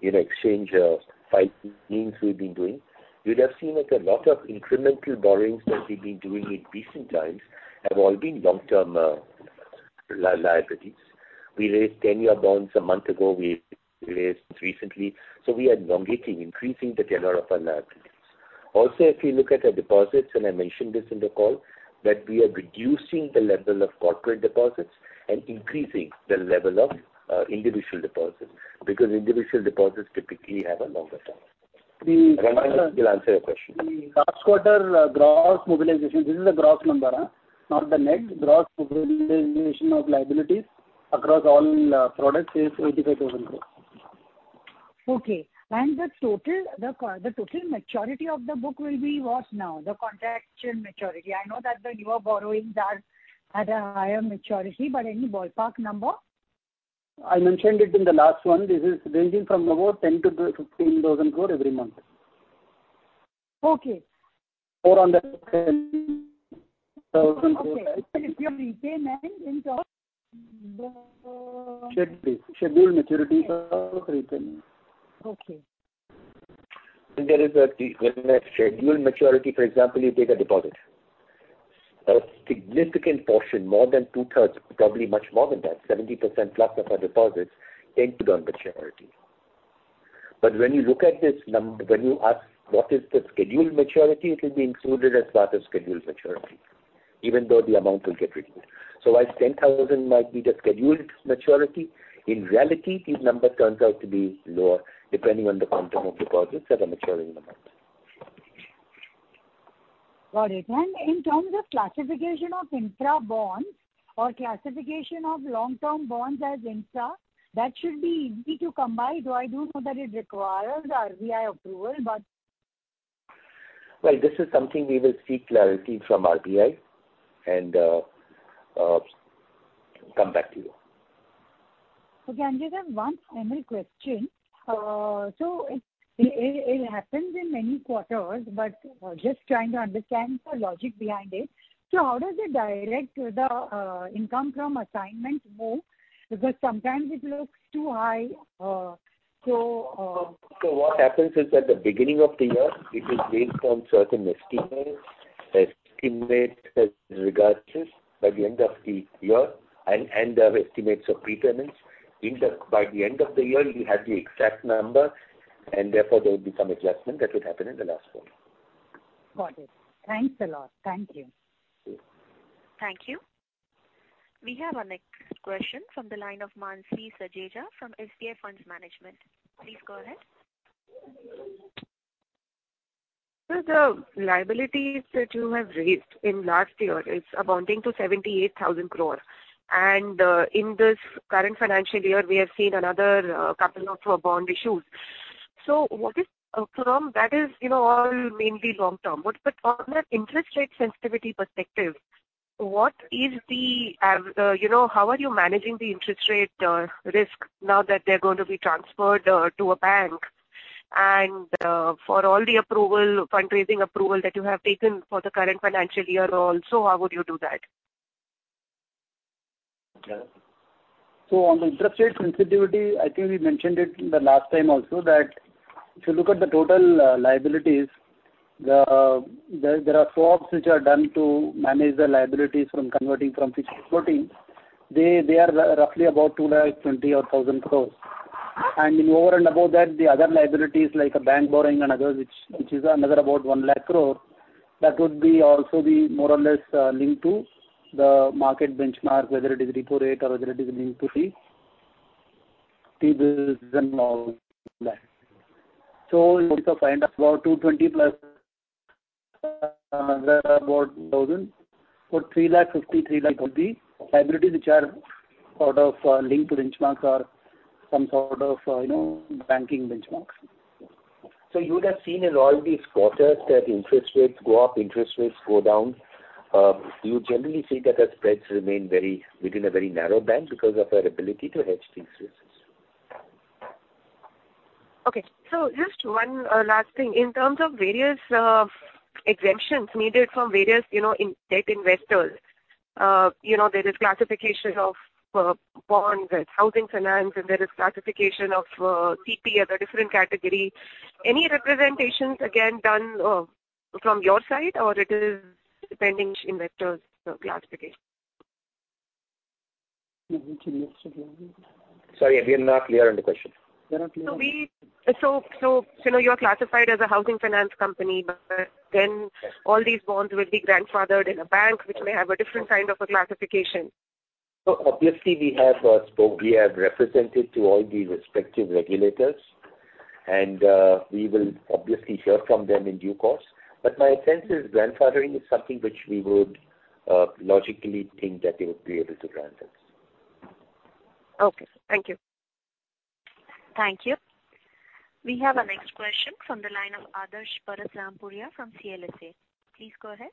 you know, exchange file means we've been doing, you'd have seen that a lot of incremental borrowings that we've been doing in recent times have all been long-term liabilities. We raised 10-year bonds a month ago. We raised recently. We are elongating, increasing the tenure of our liabilities. Also, if you look at our deposits, and I mentioned this in the call, that we are reducing the level of corporate deposits and increasing the level of individual deposits because individual deposits typically have a longer term. Rangana will answer your question. The last quarter gross mobilization, this is a gross number, not the net. Gross mobilization of liabilities across all products is 85,000 crores. Okay. The total maturity of the book will be what now? The contractual maturity. I know that the newer borrowings are at a higher maturity, but any ballpark number? I mentioned it in the last one. This is ranging from about 10,000 crore-15,000 crore every month. Okay. on the Okay. It's purely payment in terms of. Schedule. Scheduled maturity. Okay. There is a when a scheduled maturity, for example, you take a deposit. A significant portion, more than two-thirds, probably much more than that, 70% plus of our deposits end on maturity. When you look at this when you ask what is the scheduled maturity, it will be included as part of scheduled maturity, even though the amount will get reduced. While 10,000 might be the scheduled maturity, in reality, this number turns out to be lower depending on the quantum of deposits that are maturing the month. Got it. In terms of classification of infra bonds or classification of long-term bonds as infra, that should be easy to combine, though I do know that it requires RBI approval. Well, this is something we will seek clarity from RBI and come back to you. Okay. Just have one final question. It happens in many quarters, but just trying to understand the logic behind it. How does it direct the income from assignment move? Because sometimes it looks too high. So. What happens is at the beginning of the year, it is based on certain estimates. Estimate has regardless by the end of the year and our estimates of pretense. By the end of the year, we have the exact number and therefore there will be some adjustment that would happen in the last quarter. Got it. Thanks a lot. Thank you. Thank you. We have our next question from the line of Mansi Sajeja from SBI Funds Management. Please go ahead. Sir, the liabilities that you have raised in last year is amounting to 78,000 crore. In this current financial year, we have seen another couple of bond issues. What is from that is, you know, all mainly long-term. But from an interest rate sensitivity perspective, what is the, you know, how are you managing the interest rate risk now that they're going to be transferred to a bank? For all the approval, fundraising approval that you have taken for the current financial year also, how would you do that? On the interest rate sensitivity, I think we mentioned it the last time also that if you look at the total liabilities, there are swaps which are done to manage the liabilities from converting from fixed floating. They are roughly about 2 lakh 20 or 1,000 crores. In over and above that, the other liabilities like a bank borrowing and others which is another about 1 lakh crore, that would also be more or less linked to the market benchmark, whether it is repo rate or whether it is linked to the. In total, find out about 2,20,000 plus another about 1,000. For 3 lakh 50, 3 lakh would be liabilities which are sort of linked to benchmarks or some sort of, you know, banking benchmarks. You would have seen in all these quarters that interest rates go up, interest rates go down. You generally see that our spreads remain within a very narrow band because of our ability to hedge these risks. Okay. Just one last thing. In terms of various exemptions needed from various, you know, in-debt investors, you know, there is classification of bonds as housing finance and there is classification of CP as a different category. Any representations again done from your side or it is depending investors classification? Can you please repeat? Sorry, we are not clear on the question. We are not clear. We, you know, you are classified as a housing finance company, all these bonds will be grandfathered in a bank which may have a different kind of a classification. obviously we have, spoke. We have represented to all the respective regulators, we will obviously hear from them in due course. my sense is grandfathering is something which we would, logically think that they would be able to grant us. Okay. Thank you. Thank you. We have our next question from the line of Adarsh Parasrampuria from CLSA. Please go ahead.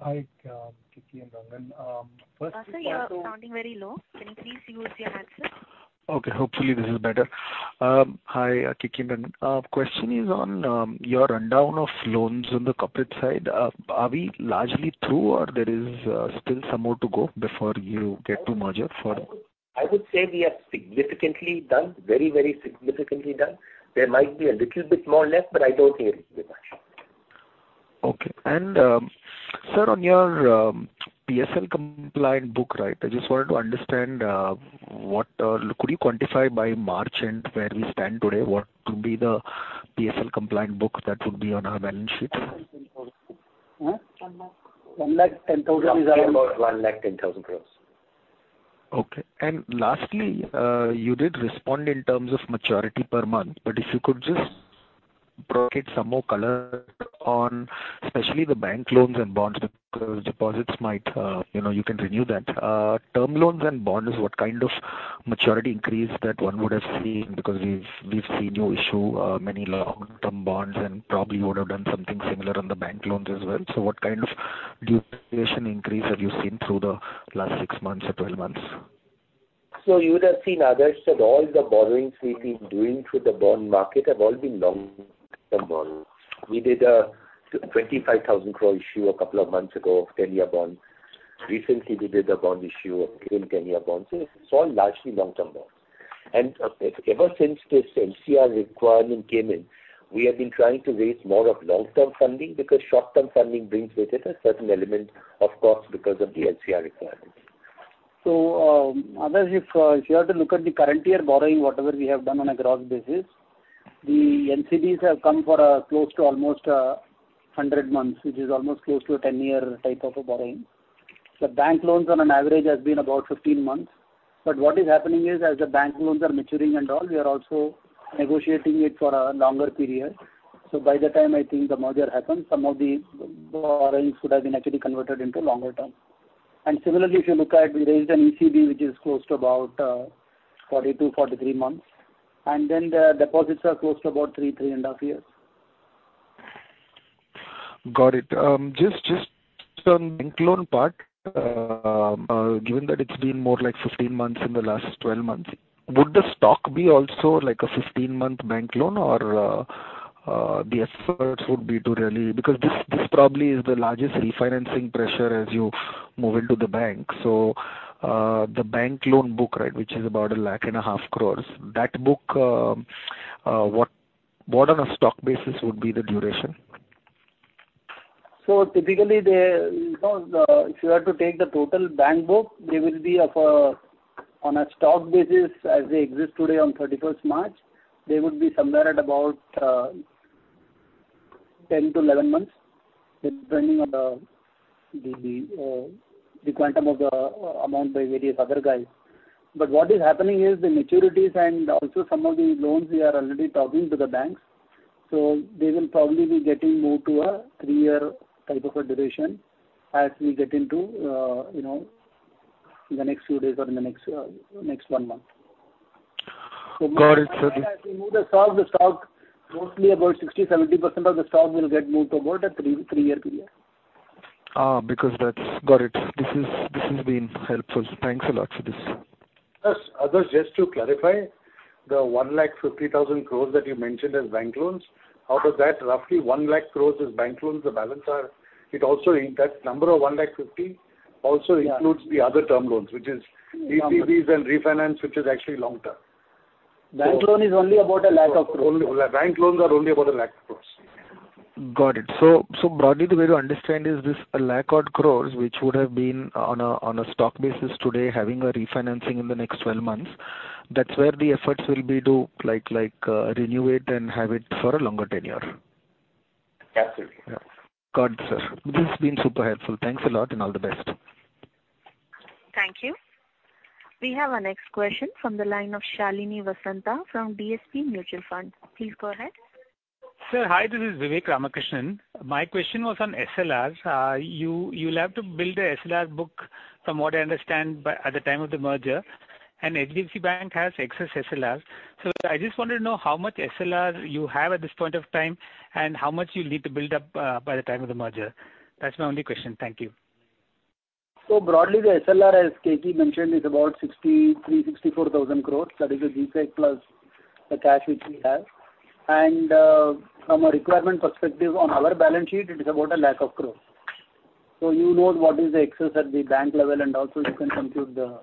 Hi, Keki and Rangan. first of all- Sir, you are sounding very low. Can you please use your headset? Okay. Hopefully this is better. Hi, Keki and Rangan. Question is on your rundown of loans on the corporate side. Are we largely through or is there still some more to go before you get to merger? I would say we are significantly done. Very, very significantly done. There might be a little bit more left, but I don't think it's much. Okay. sir, on your PSL compliant book, right? I just wanted to understand what could you quantify by March and where we stand today, what could be the PSL compliant book that would be on our balance sheets? 0.011 crore. About 110,000 crores. Okay. Lastly, you did respond in terms of maturity per month, but if you could just provide some more color on especially the bank loans and bonds deposits might, you know, you can renew that. Term loans and bonds, what kind of maturity increase that one would have seen? Because we've seen you issue many long-term bonds and probably would have done something similar on the bank loans as well. What kind of duration increase have you seen through the last six months or 12 months? You would have seen, Adarsh, that all the borrowings we've been doing through the bond market have all been long-term bonds. We did a 25,000 crore issue a couple of months ago of 10-year bond. Recently we did a bond issue of again 10-year bonds. It's all largely long-term bonds. Ever since this LCR requirement came in, we have been trying to raise more of long-term funding because short-term funding brings with it a certain element of cost because of the LCR requirement. Adarsh, if you have to look at the current year borrowing, whatever we have done on a gross basis, the NCDs have come for close to almost 100 months, which is almost close to a 10-year type of a borrowing. The bank loans on an average has been about 15 months. What is happening is, as the bank loans are maturing and all, we are also negotiating it for a longer period. By the time I think the merger happens, some of the borrowings would have been actually converted into longer term. Similarly, if you look at, we raised an ECB, which is close to about 40-43 months, and then the deposits are close to about three and a half years. Got it. just on bank loan part, given that it's been more like 15 months in the last 12 months, would the stock be also like a 15-month bank loan or, the efforts would be to really. Because this probably is the largest refinancing pressure as you move into the bank. The bank loan book, right, which is about 150,000 crores. That book, what on a stock basis would be the duration? Typically the, you know, the, if you were to take the total bank book, they will be of, on a stock basis as they exist today on 31st March, they would be somewhere at about 10-11 months, depending on the, the quantum of the amount by various other guys. What is happening is the maturities and also some of the loans we are already talking to the banks, so they will probably be getting moved to a three-year type of a duration as we get into, you know, in the next few days or in the next one month. Got it. As we move the stock, the stock mostly about 60%, 70% of the stock will get moved to about a three-year period. Because that's, Got it. This has been helpful. Thanks a lot for this. Adarsh, just to clarify, the 150,000 crores that you mentioned as bank loans, out of that roughly 100,000 crores is bank loans. The balance are, that number of 150,000 also includes. Yeah. The other term loans, which is- Number. ECBs and refinance, which is actually long term. Bank loan is only about INR 100,000 crores. Bank loans are only about INR 100,000 crores. Got it. Broadly the way to understand is this INR 1 lakh odd crores which would have been on a, on a stock basis today having a refinancing in the next 12 months. That's where the efforts will be to like, renew it and have it for a longer tenure. Absolutely. Got it, sir. This has been super helpful. Thanks a lot and all the best. Thank you. We have our next question from the line of Shalini Vasanta from DSP Mutual Fund. Please go ahead. Sir, hi, this is Vivek Ramakrishnan. My question was on SLR. You'll have to build a SLR book from what I understand by at the time of the merger. HDFC Bank has excess SLR. I just wanted to know how much SLR you have at this point of time and how much you'll need to build up, by the time of the merger. That's my only question. Thank you. Broadly, the SLR, as Keki mentioned, is about 63,000-64,000 crore. That is the GSEC plus the cash which we have. From a requirement perspective on our balance sheet, it is about 1 lakh crore. You know what is the excess at the bank level, and also you can compute the,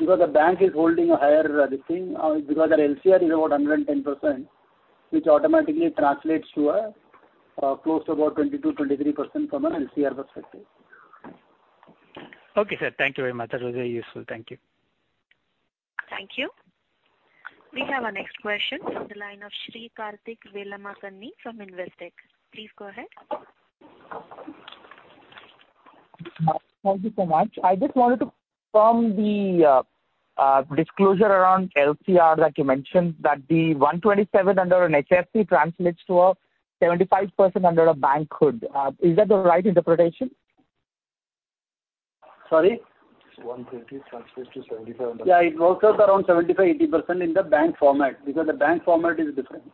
The bank is holding a higher this thing, because our LCR is about 110%, which automatically translates to a close to about 22%-23% from an LCR perspective. Okay, sir. Thank you very much. That was very useful. Thank you. Thank you. We have our next question from the line of Sri Karthik Velamakanni from Investec. Please go ahead. Thank you so much. I just wanted to confirm the disclosure around LCR that you mentioned that the 127 under an HFC translates to a 75% under a bank hood. Is that the right interpretation? Sorry. 120 translates to 75 under- Yeah. It works out around 75%-80% in the bank format because the bank format is different.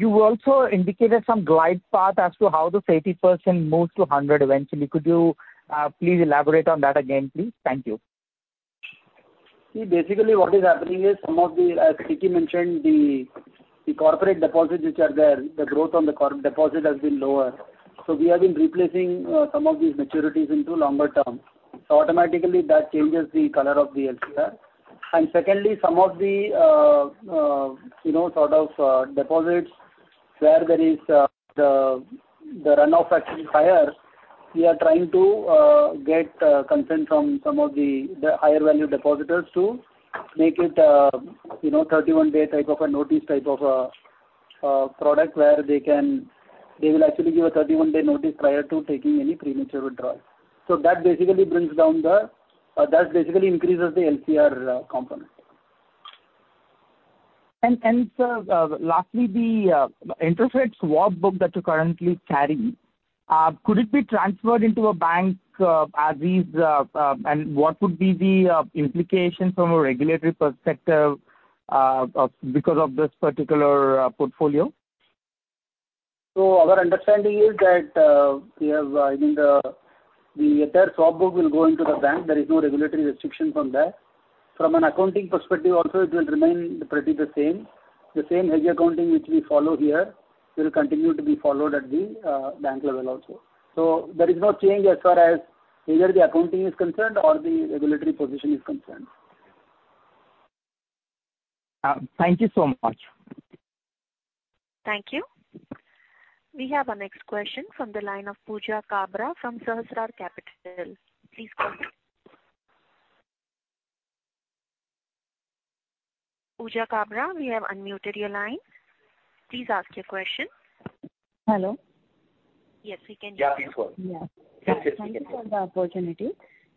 You also indicated some glide path as to how this 80% moves to 100% eventually. Could you please elaborate on that again, please? Thank you. Basically what is happening is some of the, as Keki mentioned, the corporate deposits which are there, the growth on the deposit has been lower. We have been replacing some of these maturities into longer term. Automatically that changes the color of the LCR. Secondly, some of the, you know, sort of, deposits where there is the runoff actually is higher. We are trying to get consent from some of the higher value depositors to make it, you know, 31-day type of a notice type of a product where they can, they will actually give a 31-day notice prior to taking any premature withdrawal. That basically brings down the or that basically increases the LCR component. Sir, lastly, the interest rates swap book that you currently carry, could it be transferred into a bank, as these, and what would be the implication from a regulatory perspective, of because of this particular portfolio? Our understanding is that, we have, I mean, the entire swap book will go into the bank. There is no regulatory restriction from there. From an accounting perspective also it will remain pretty the same. The same hedge accounting which we follow here will continue to be followed at the bank level also. There is no change as far as either the accounting is concerned or the regulatory position is concerned. Thank you so much. Thank you. We have our next question from the line of Pooja Kabra from Sahasrar Capital. Please go ahead. Pooja Kabra, we have unmuted your line. Please ask your question. Hello. Yes, we can hear you. Yeah. Please go on. Yeah. Yes, yes. You can hear. Thank you for the opportunity.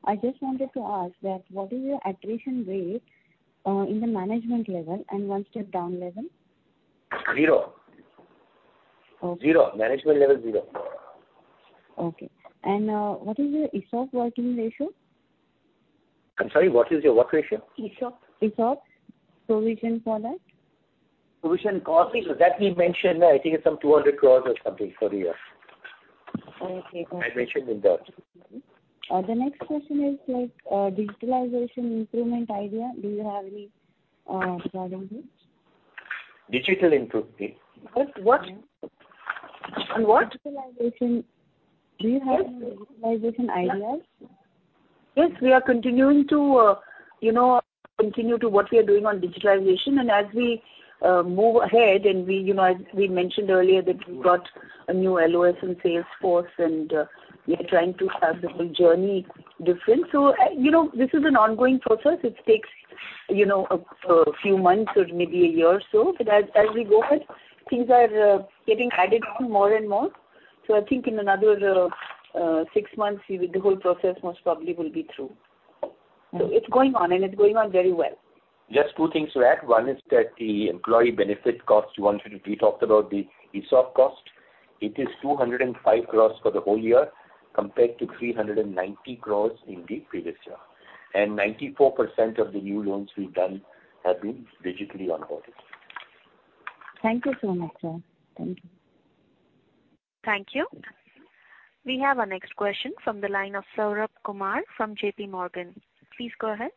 I just wanted to ask that what is your attrition rate in the management level and one step down level? Zero. Okay. Zero. Management level zero. Okay. What is your ESOP working ratio? I'm sorry, what is your what ratio? ESOP. ESOP. Provision for that. Provision costing. That we mentioned. I think it's some 200 crores or something for the year. Okay. Got it. I mentioned in that. The next question is like digitalization improvement idea. Do you have any plan in it? Digital improvement. What, what? On what? Digitalization. Do you have- Yes. Any digitalization ideas? Yes. We are continuing to, you know, continue to what we are doing on digitalization. As we move ahead and we, you know, as we mentioned earlier that we've got a new LOS and Salesforce and we are trying to have the whole journey different. You know, this is an ongoing process. It takes, you know, a few months or maybe a year or so. As we go ahead, things are getting added on more and more. I think in another six months with the whole process most probably will be through. It's going on and it's going on very well. Just 2 things to add. One is that the employee benefit costs you wanted to. We talked about the ESOP cost. It is 205 crores for the whole year compared to 390 crores in the previous year. Ninety-four percent of the new loans we've done have been digitally onboarded. Thank you so much, sir. Thank you. Thank you. We have our next question from the line of Saurabh Kumar from JP Morgan. Please go ahead.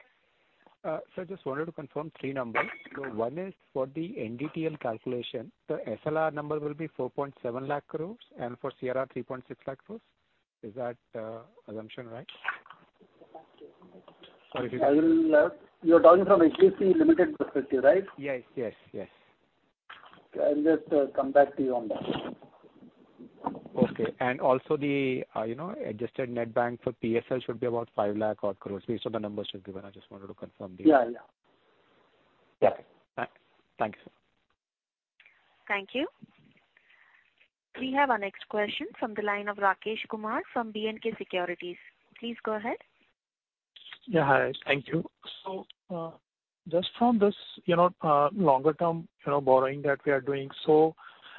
Sir, just wanted to confirm 3 numbers. One is for the NDTL calculation. The SLR number will be 4.7 lakh crores and for CRR 3.6 lakh crores. Is that assumption right? Sorry. I will, you're talking from HDFC Limited perspective, right? Yes. Yes. Yes. Okay. I'll just come back to you on that. Okay. The, you know, adjusted net bank for PSL should be about 5 lakh odd crores. The numbers you've given, I just wanted to confirm. Yeah. Yeah. Yeah. Tha-thanks. Thank you. We have our next question from the line of Rakesh Kumar from B&K Securities. Please go ahead. Yeah. Hi. Thank you. Just from this, you know, longer term, you know, borrowing that we are doing.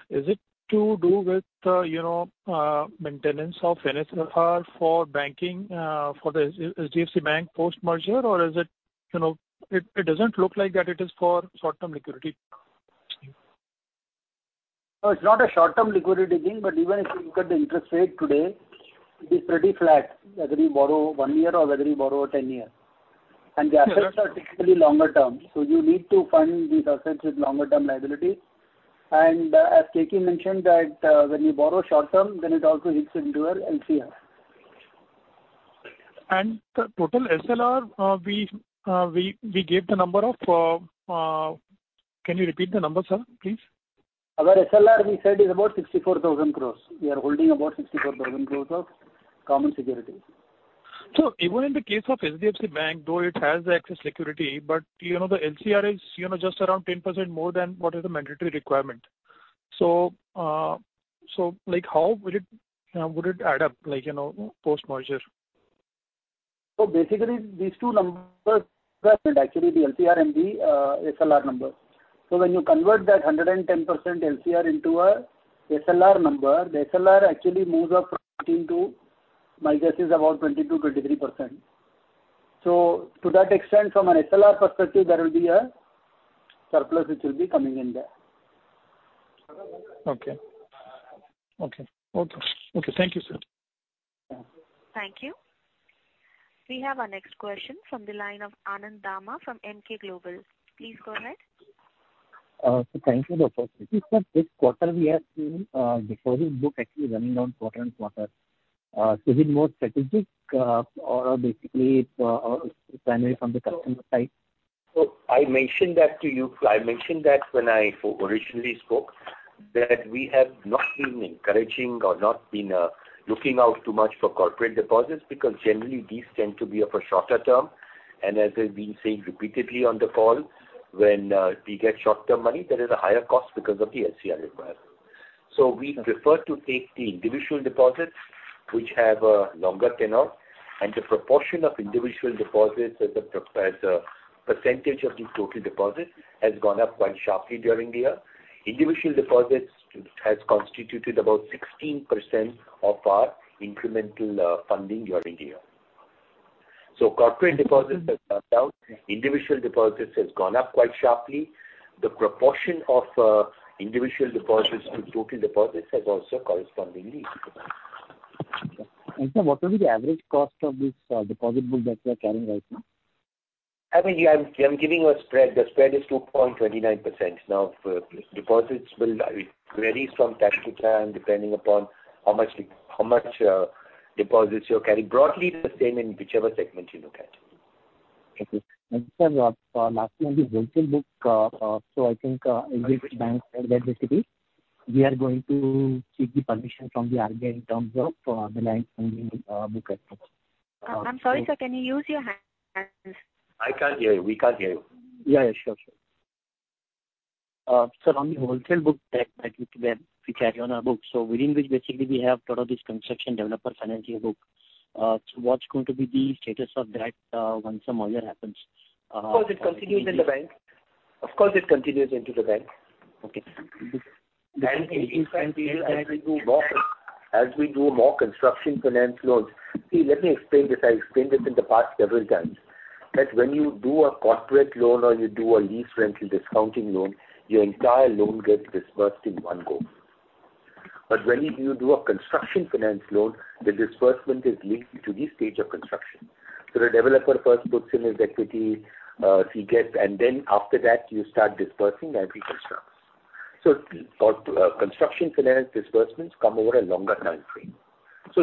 Is it to do with, you know, maintenance of SLR for banking, for the HDFC Bank post-merger? Or is it, you know. It doesn't look like that it is for short-term liquidity. It's not a short-term liquidity thing, but even if you look at the interest rate today, it is pretty flat, whether you borrow one year or whether you borrow 10 year. The assets are typically longer term, so you need to fund these assets with longer term liability. As Keki mentioned that, when you borrow short term, then it also hits into your LCR. The total SLR, we gave the number of, can you repeat the number, sir, please? Our SLR, we said, is about 64,000 crores. We are holding about 64,000 crores of common securities. Even in the case of HDFC Bank, though it has the excess security, but you know, the LCR is, you know, just around 10% more than what is the mandatory requirement. Like, how would it, would it add up, like, you know, post-merger? Basically these two numbers actually the LCR and the SLR number. When you convert that 110% LCR into a SLR number, the SLR actually moves up from 18 to, my guess is about 20%-23%. To that extent, from an SLR perspective, there will be a surplus which will be coming in there. Okay. Okay. Okay. Okay, thank you, sir. Thank you. We have our next question from the line of Anand Dama from Emkay Global. Please go ahead. Thank you for the opportunity, sir. This quarter we have seen the deposits book actually running down quarter-on-quarter. Is it more strategic or basically it's or it's primarily from the customer side? I mentioned that to you. I mentioned that when I originally spoke, that we have not been encouraging or not been looking out too much for corporate deposits because generally these tend to be of a shorter term. As I've been saying repeatedly on the call, when we get short-term money, there is a higher cost because of the LCR requirement. We prefer to take the individual deposits, which have a longer tenure, and the proportion of individual deposits as a percentage of the total deposits has gone up quite sharply during the year. Individual deposits has constituted about 16% of our incremental funding during the year. Corporate deposits has gone down. Individual deposits has gone up quite sharply. The proportion of individual deposits to total deposits has also correspondingly increased. Sir, what will be the average cost of this deposit book that you are carrying right now? I mean, I'm giving a spread. The spread is 2.29%. Now, deposits will it varies from time to time depending upon how much deposits you're carrying. Broadly the same in whichever segment you look at. Okay. Sir, lastly on the wholesale book, I think, HDFC Bank said that we are going to seek the permission from the RBI in terms of the land funding book as such. I'm sorry, sir, can you use your headphones? I can't hear you. We can't hear you. Yeah, yeah, sure. Sir, on the wholesale book that, like, we carry on our books. Within which basically we have a lot of this construction developer financing book. What's going to be the status of that once the merger happens? Of course it continues in the bank. Of course it continues into the bank. Okay. As we do more construction finance loans. See, let me explain this. I explained this in the past several times, that when you do a corporate loan or you do a lease rental discounting loan, your entire loan gets disbursed in one go. When you do a construction finance loan, the disbursement is linked to the stage of construction. The developer first puts in his equity, he gets, and then after that you start disbursing as he constructs. For construction finance disbursements come over a longer time frame. It's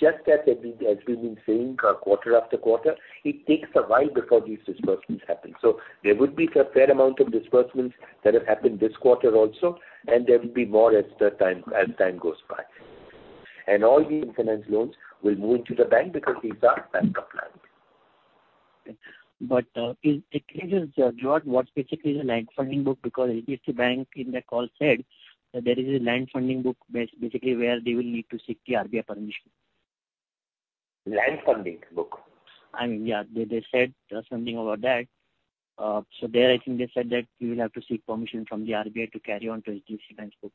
just that, as we've been saying quarter after quarter, it takes a while before these disbursements happen. There would be a fair amount of disbursements that have happened this quarter also, and there will be more as the time, as time goes by. All these finance loans will move into the bank because these are bank of banks. Can you just elaborate what specifically is the land funding book? HDFC Bank in their call said that there is a land funding book basically where they will need to seek the RBI permission. Land funding book? I mean, yeah. They said something about that. I think they said that you will have to seek permission from the RBI to carry on to HDFC Bank's book.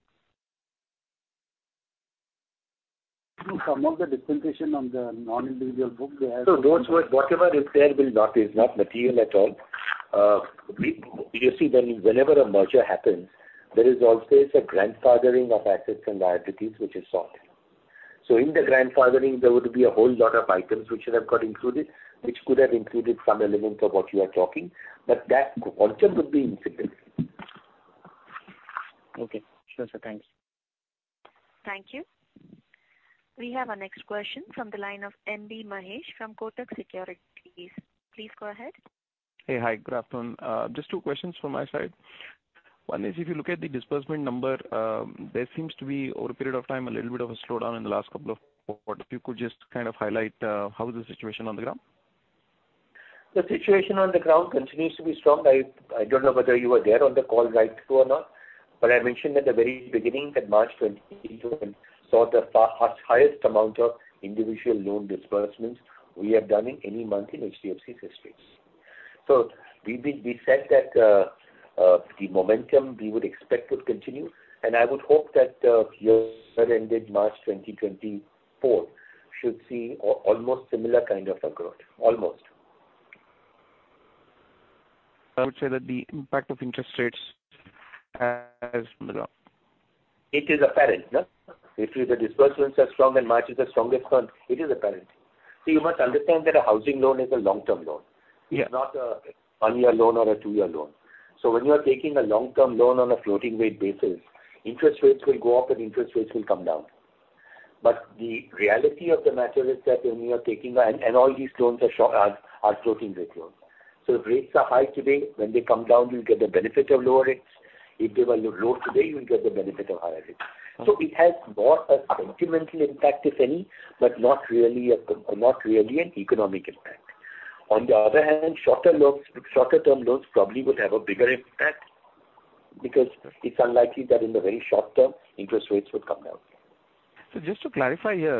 Some of the dispensation on the non-individual book they have Those were, whatever is there will not, is not material at all. We, you see whenever a merger happens, there is always a grandfathering of assets and liabilities which is sought. In the grandfathering, there would be a whole lot of items which would have got included, which could have included some elements of what you are talking, but that portion would be insignificant. Okay. Sure, sir. Thanks. Thank you. We have our next question from the line of M B Mahesh from Kotak Securities. Please go ahead. Hey, hi. Good afternoon. Just 2 questions from my side. One is, if you look at the disbursement number, there seems to be over a period of time a little bit of a slowdown in the last couple of quarters. If you could just kind of highlight, how is the situation on the ground? The situation on the ground continues to be strong. I don't know whether you were there on the call right through or not, but I mentioned at the very beginning that March 2022 saw the highest amount of individual loan disbursements we have done in any month in HDFC's history. We said that the momentum we would expect would continue and I would hope that year ended March 2024 should see almost similar kind of a growth. Almost. How would you say that the impact of interest rates has on the ground? It is apparent, no? If the disbursements are strong and March is the strongest one, it is apparent. See, you must understand that a housing loan is a long-term loan. Yeah. It's not a one-year loan or a two-year loan. When you are taking a long-term loan on a floating rate basis, interest rates will go up and interest rates will come down. But the reality of the matter is that all these loans are floating rate loans. If rates are high today, when they come down, you'll get the benefit of lower rates. If they were low today, you'll get the benefit of higher rates. It has more a sentimental impact, if any, but not really an economic impact. On the other hand, shorter loans, shorter term loans probably would have a bigger impact because it's unlikely that in the very short term interest rates would come down. Just to clarify here,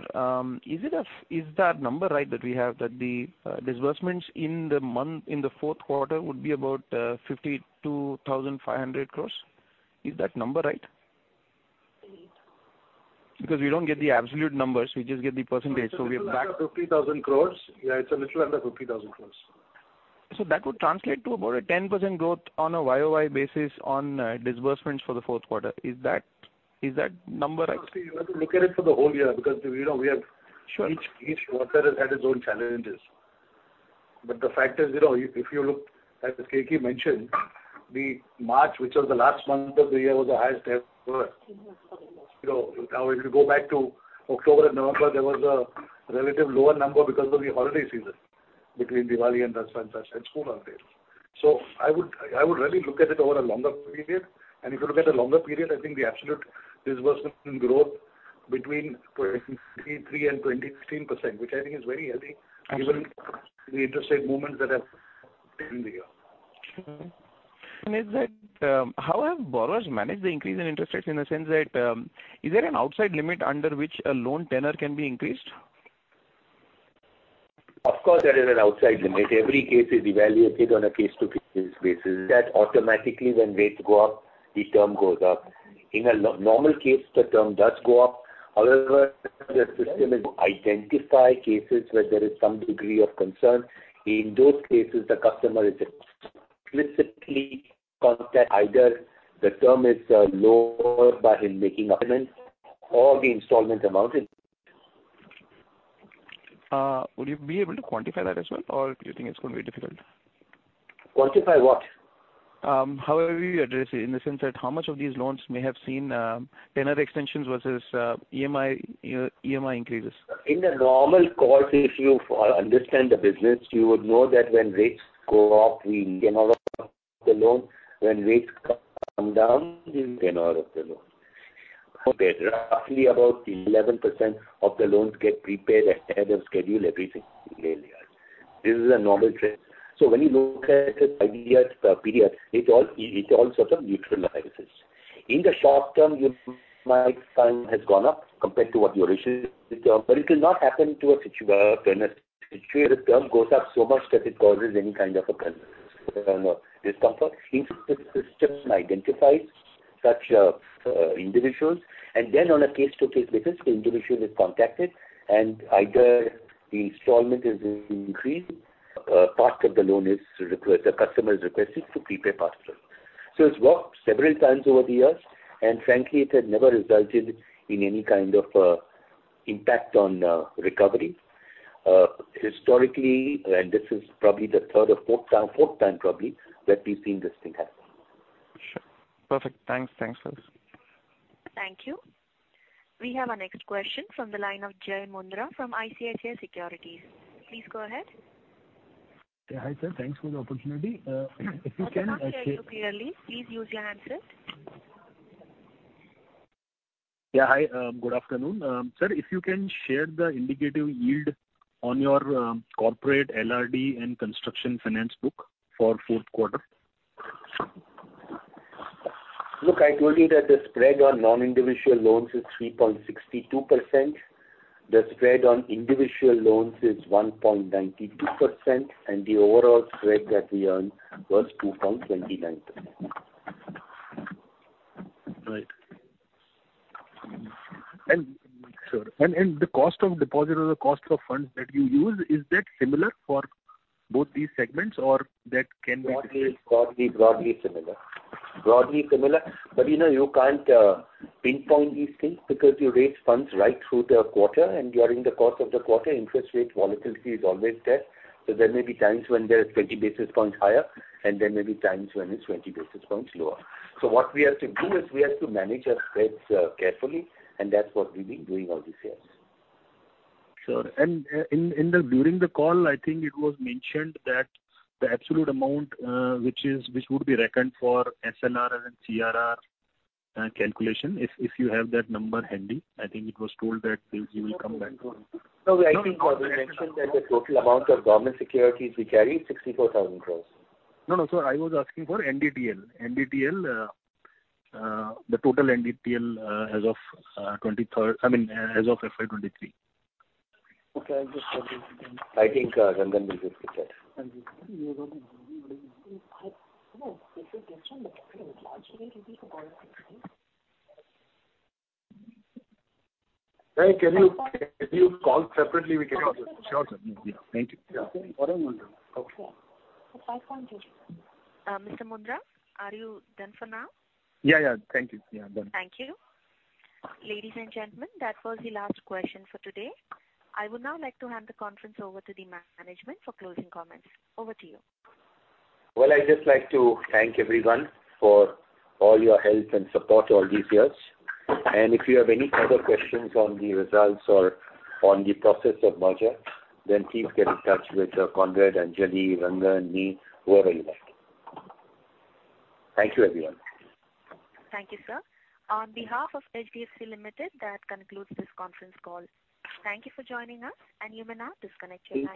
is that number right that we have that the disbursements in the month, in the fourth quarter would be about, 52,500 crores? Is that number right? Please. We don't get the absolute numbers, we just get the percentage, so we are back-. It's a little under 50,000 crores. Yeah, it's a little under 50,000 crores. That would translate to about a 10% growth on a year-over-year basis on disbursements for the fourth quarter. Is that number right? You have to look at it for the whole year because, you know. Sure. Each quarter has had its own challenges. The fact is, you know, if you look, as Keki M. Mistry mentioned, the March, which was the last month of the year, was the highest ever. You know, now if you go back to October and November, there was a relative lower number because of the holiday season between Diwali and Dasara and such and school holidays. I would really look at it over a longer period. And if you look at a longer period, I think the absolute disbursement growth between 23 and 16%, which I think is very healthy- Absolutely. Given the interest rate movements that have been here. How have borrowers managed the increase in interest rates in the sense that, is there an outside limit under which a loan tenor can be increased? Of course, there is an outside limit. Every case is evaluated on a case-to-case basis that automatically when rates go up, the term goes up. In a non-normal case, the term does go up. However, the system is identify cases where there is some degree of concern. In those cases, the customer is explicitly contacted, either the term is lowered by him making a payment or the installment amount is increased. Would you be able to quantify that as well, or do you think it's gonna be difficult? Quantify what? How have you addressed it? In the sense that how much of these loans may have seen, tenor extensions versus, EMI increases. In the normal course, if you understand the business, you would know that when rates go up, we tenor up the loan. When rates come down, we tenor up the loan. Roughly about 11% of the loans get prepaid ahead of schedule every single year. This is a normal trend. When you look at it by year, period, it all sorts of neutralizes. In the short term, you might find has gone up compared to what the original term, but it will not happen to a tenor. The term goes up so much that it causes any kind of a concern or discomfort. In such systems identifies such individuals and then on a case to case basis, the individual is contacted and either the installment is increased, part of the loan is the customer is requested to prepay faster. It's worked several times over the years, and frankly, it has never resulted in any kind of impact on recovery. Historically, and this is probably the third or fourth time probably, that we've seen this thing happen. Sure. Perfect. Thanks. Thanks, guys. Thank you. We have our next question from the line of Jay Mundra from ICICI Securities. Please go ahead. Yeah, hi, sir. Thanks for the opportunity. We can't hear you clearly. Please use your handset. Yeah, hi. good afternoon. sir, if you can share the indicative yield on your corporate LRD and construction finance book for fourth quarter. Look, I told you that the spread on non-individual loans is 3.62%. The spread on individual loans is 1.92%. The overall spread that we earn was 2.29%. Right. Sir, and the cost of deposit or the cost of funds that you use, is that similar for both these segments or that can be? Broadly similar. Broadly similar, you know, you can't pinpoint these things because you raise funds right through the quarter and during the course of the quarter, interest rate volatility is always there. There may be times when they're 20 basis points higher, and there may be times when it's 20 basis points lower. What we have to do is we have to manage our spreads carefully, and that's what we've been doing all these years. Sure. In the, during the call, I think it was mentioned that the absolute amount, which would be reckoned for SLR and CRR, calculation, if you have that number handy, I think it was told that you will come back to us. No, I think we mentioned that the total amount of government securities we carry is 64,000 crores. No, no, sir. I was asking for NDTL. NDTL, the total NDTL, I mean, as of FY23. Okay, I'll just check it again. I think Rangan will give you a check. Hey, can you call separately? Sure, sir. Yeah. Thank you. Yeah. Okay. Mr. Mundra, are you done for now? Yeah, yeah. Thank you. Yeah, done. Thank you. Ladies and gentlemen, that was the last question for today. I would now like to hand the conference over to the management for closing comments. Over to you. Well, I'd just like to thank everyone for all your help and support all these years. If you have any further questions on the results or on the process of merger, then please get in touch with Conrad, Anjali, Rangan, me, whoever you like. Thank you, everyone. Thank you, sir. On behalf of HDFC Limited, that concludes this conference call. Thank you for joining us, and you may now disconnect.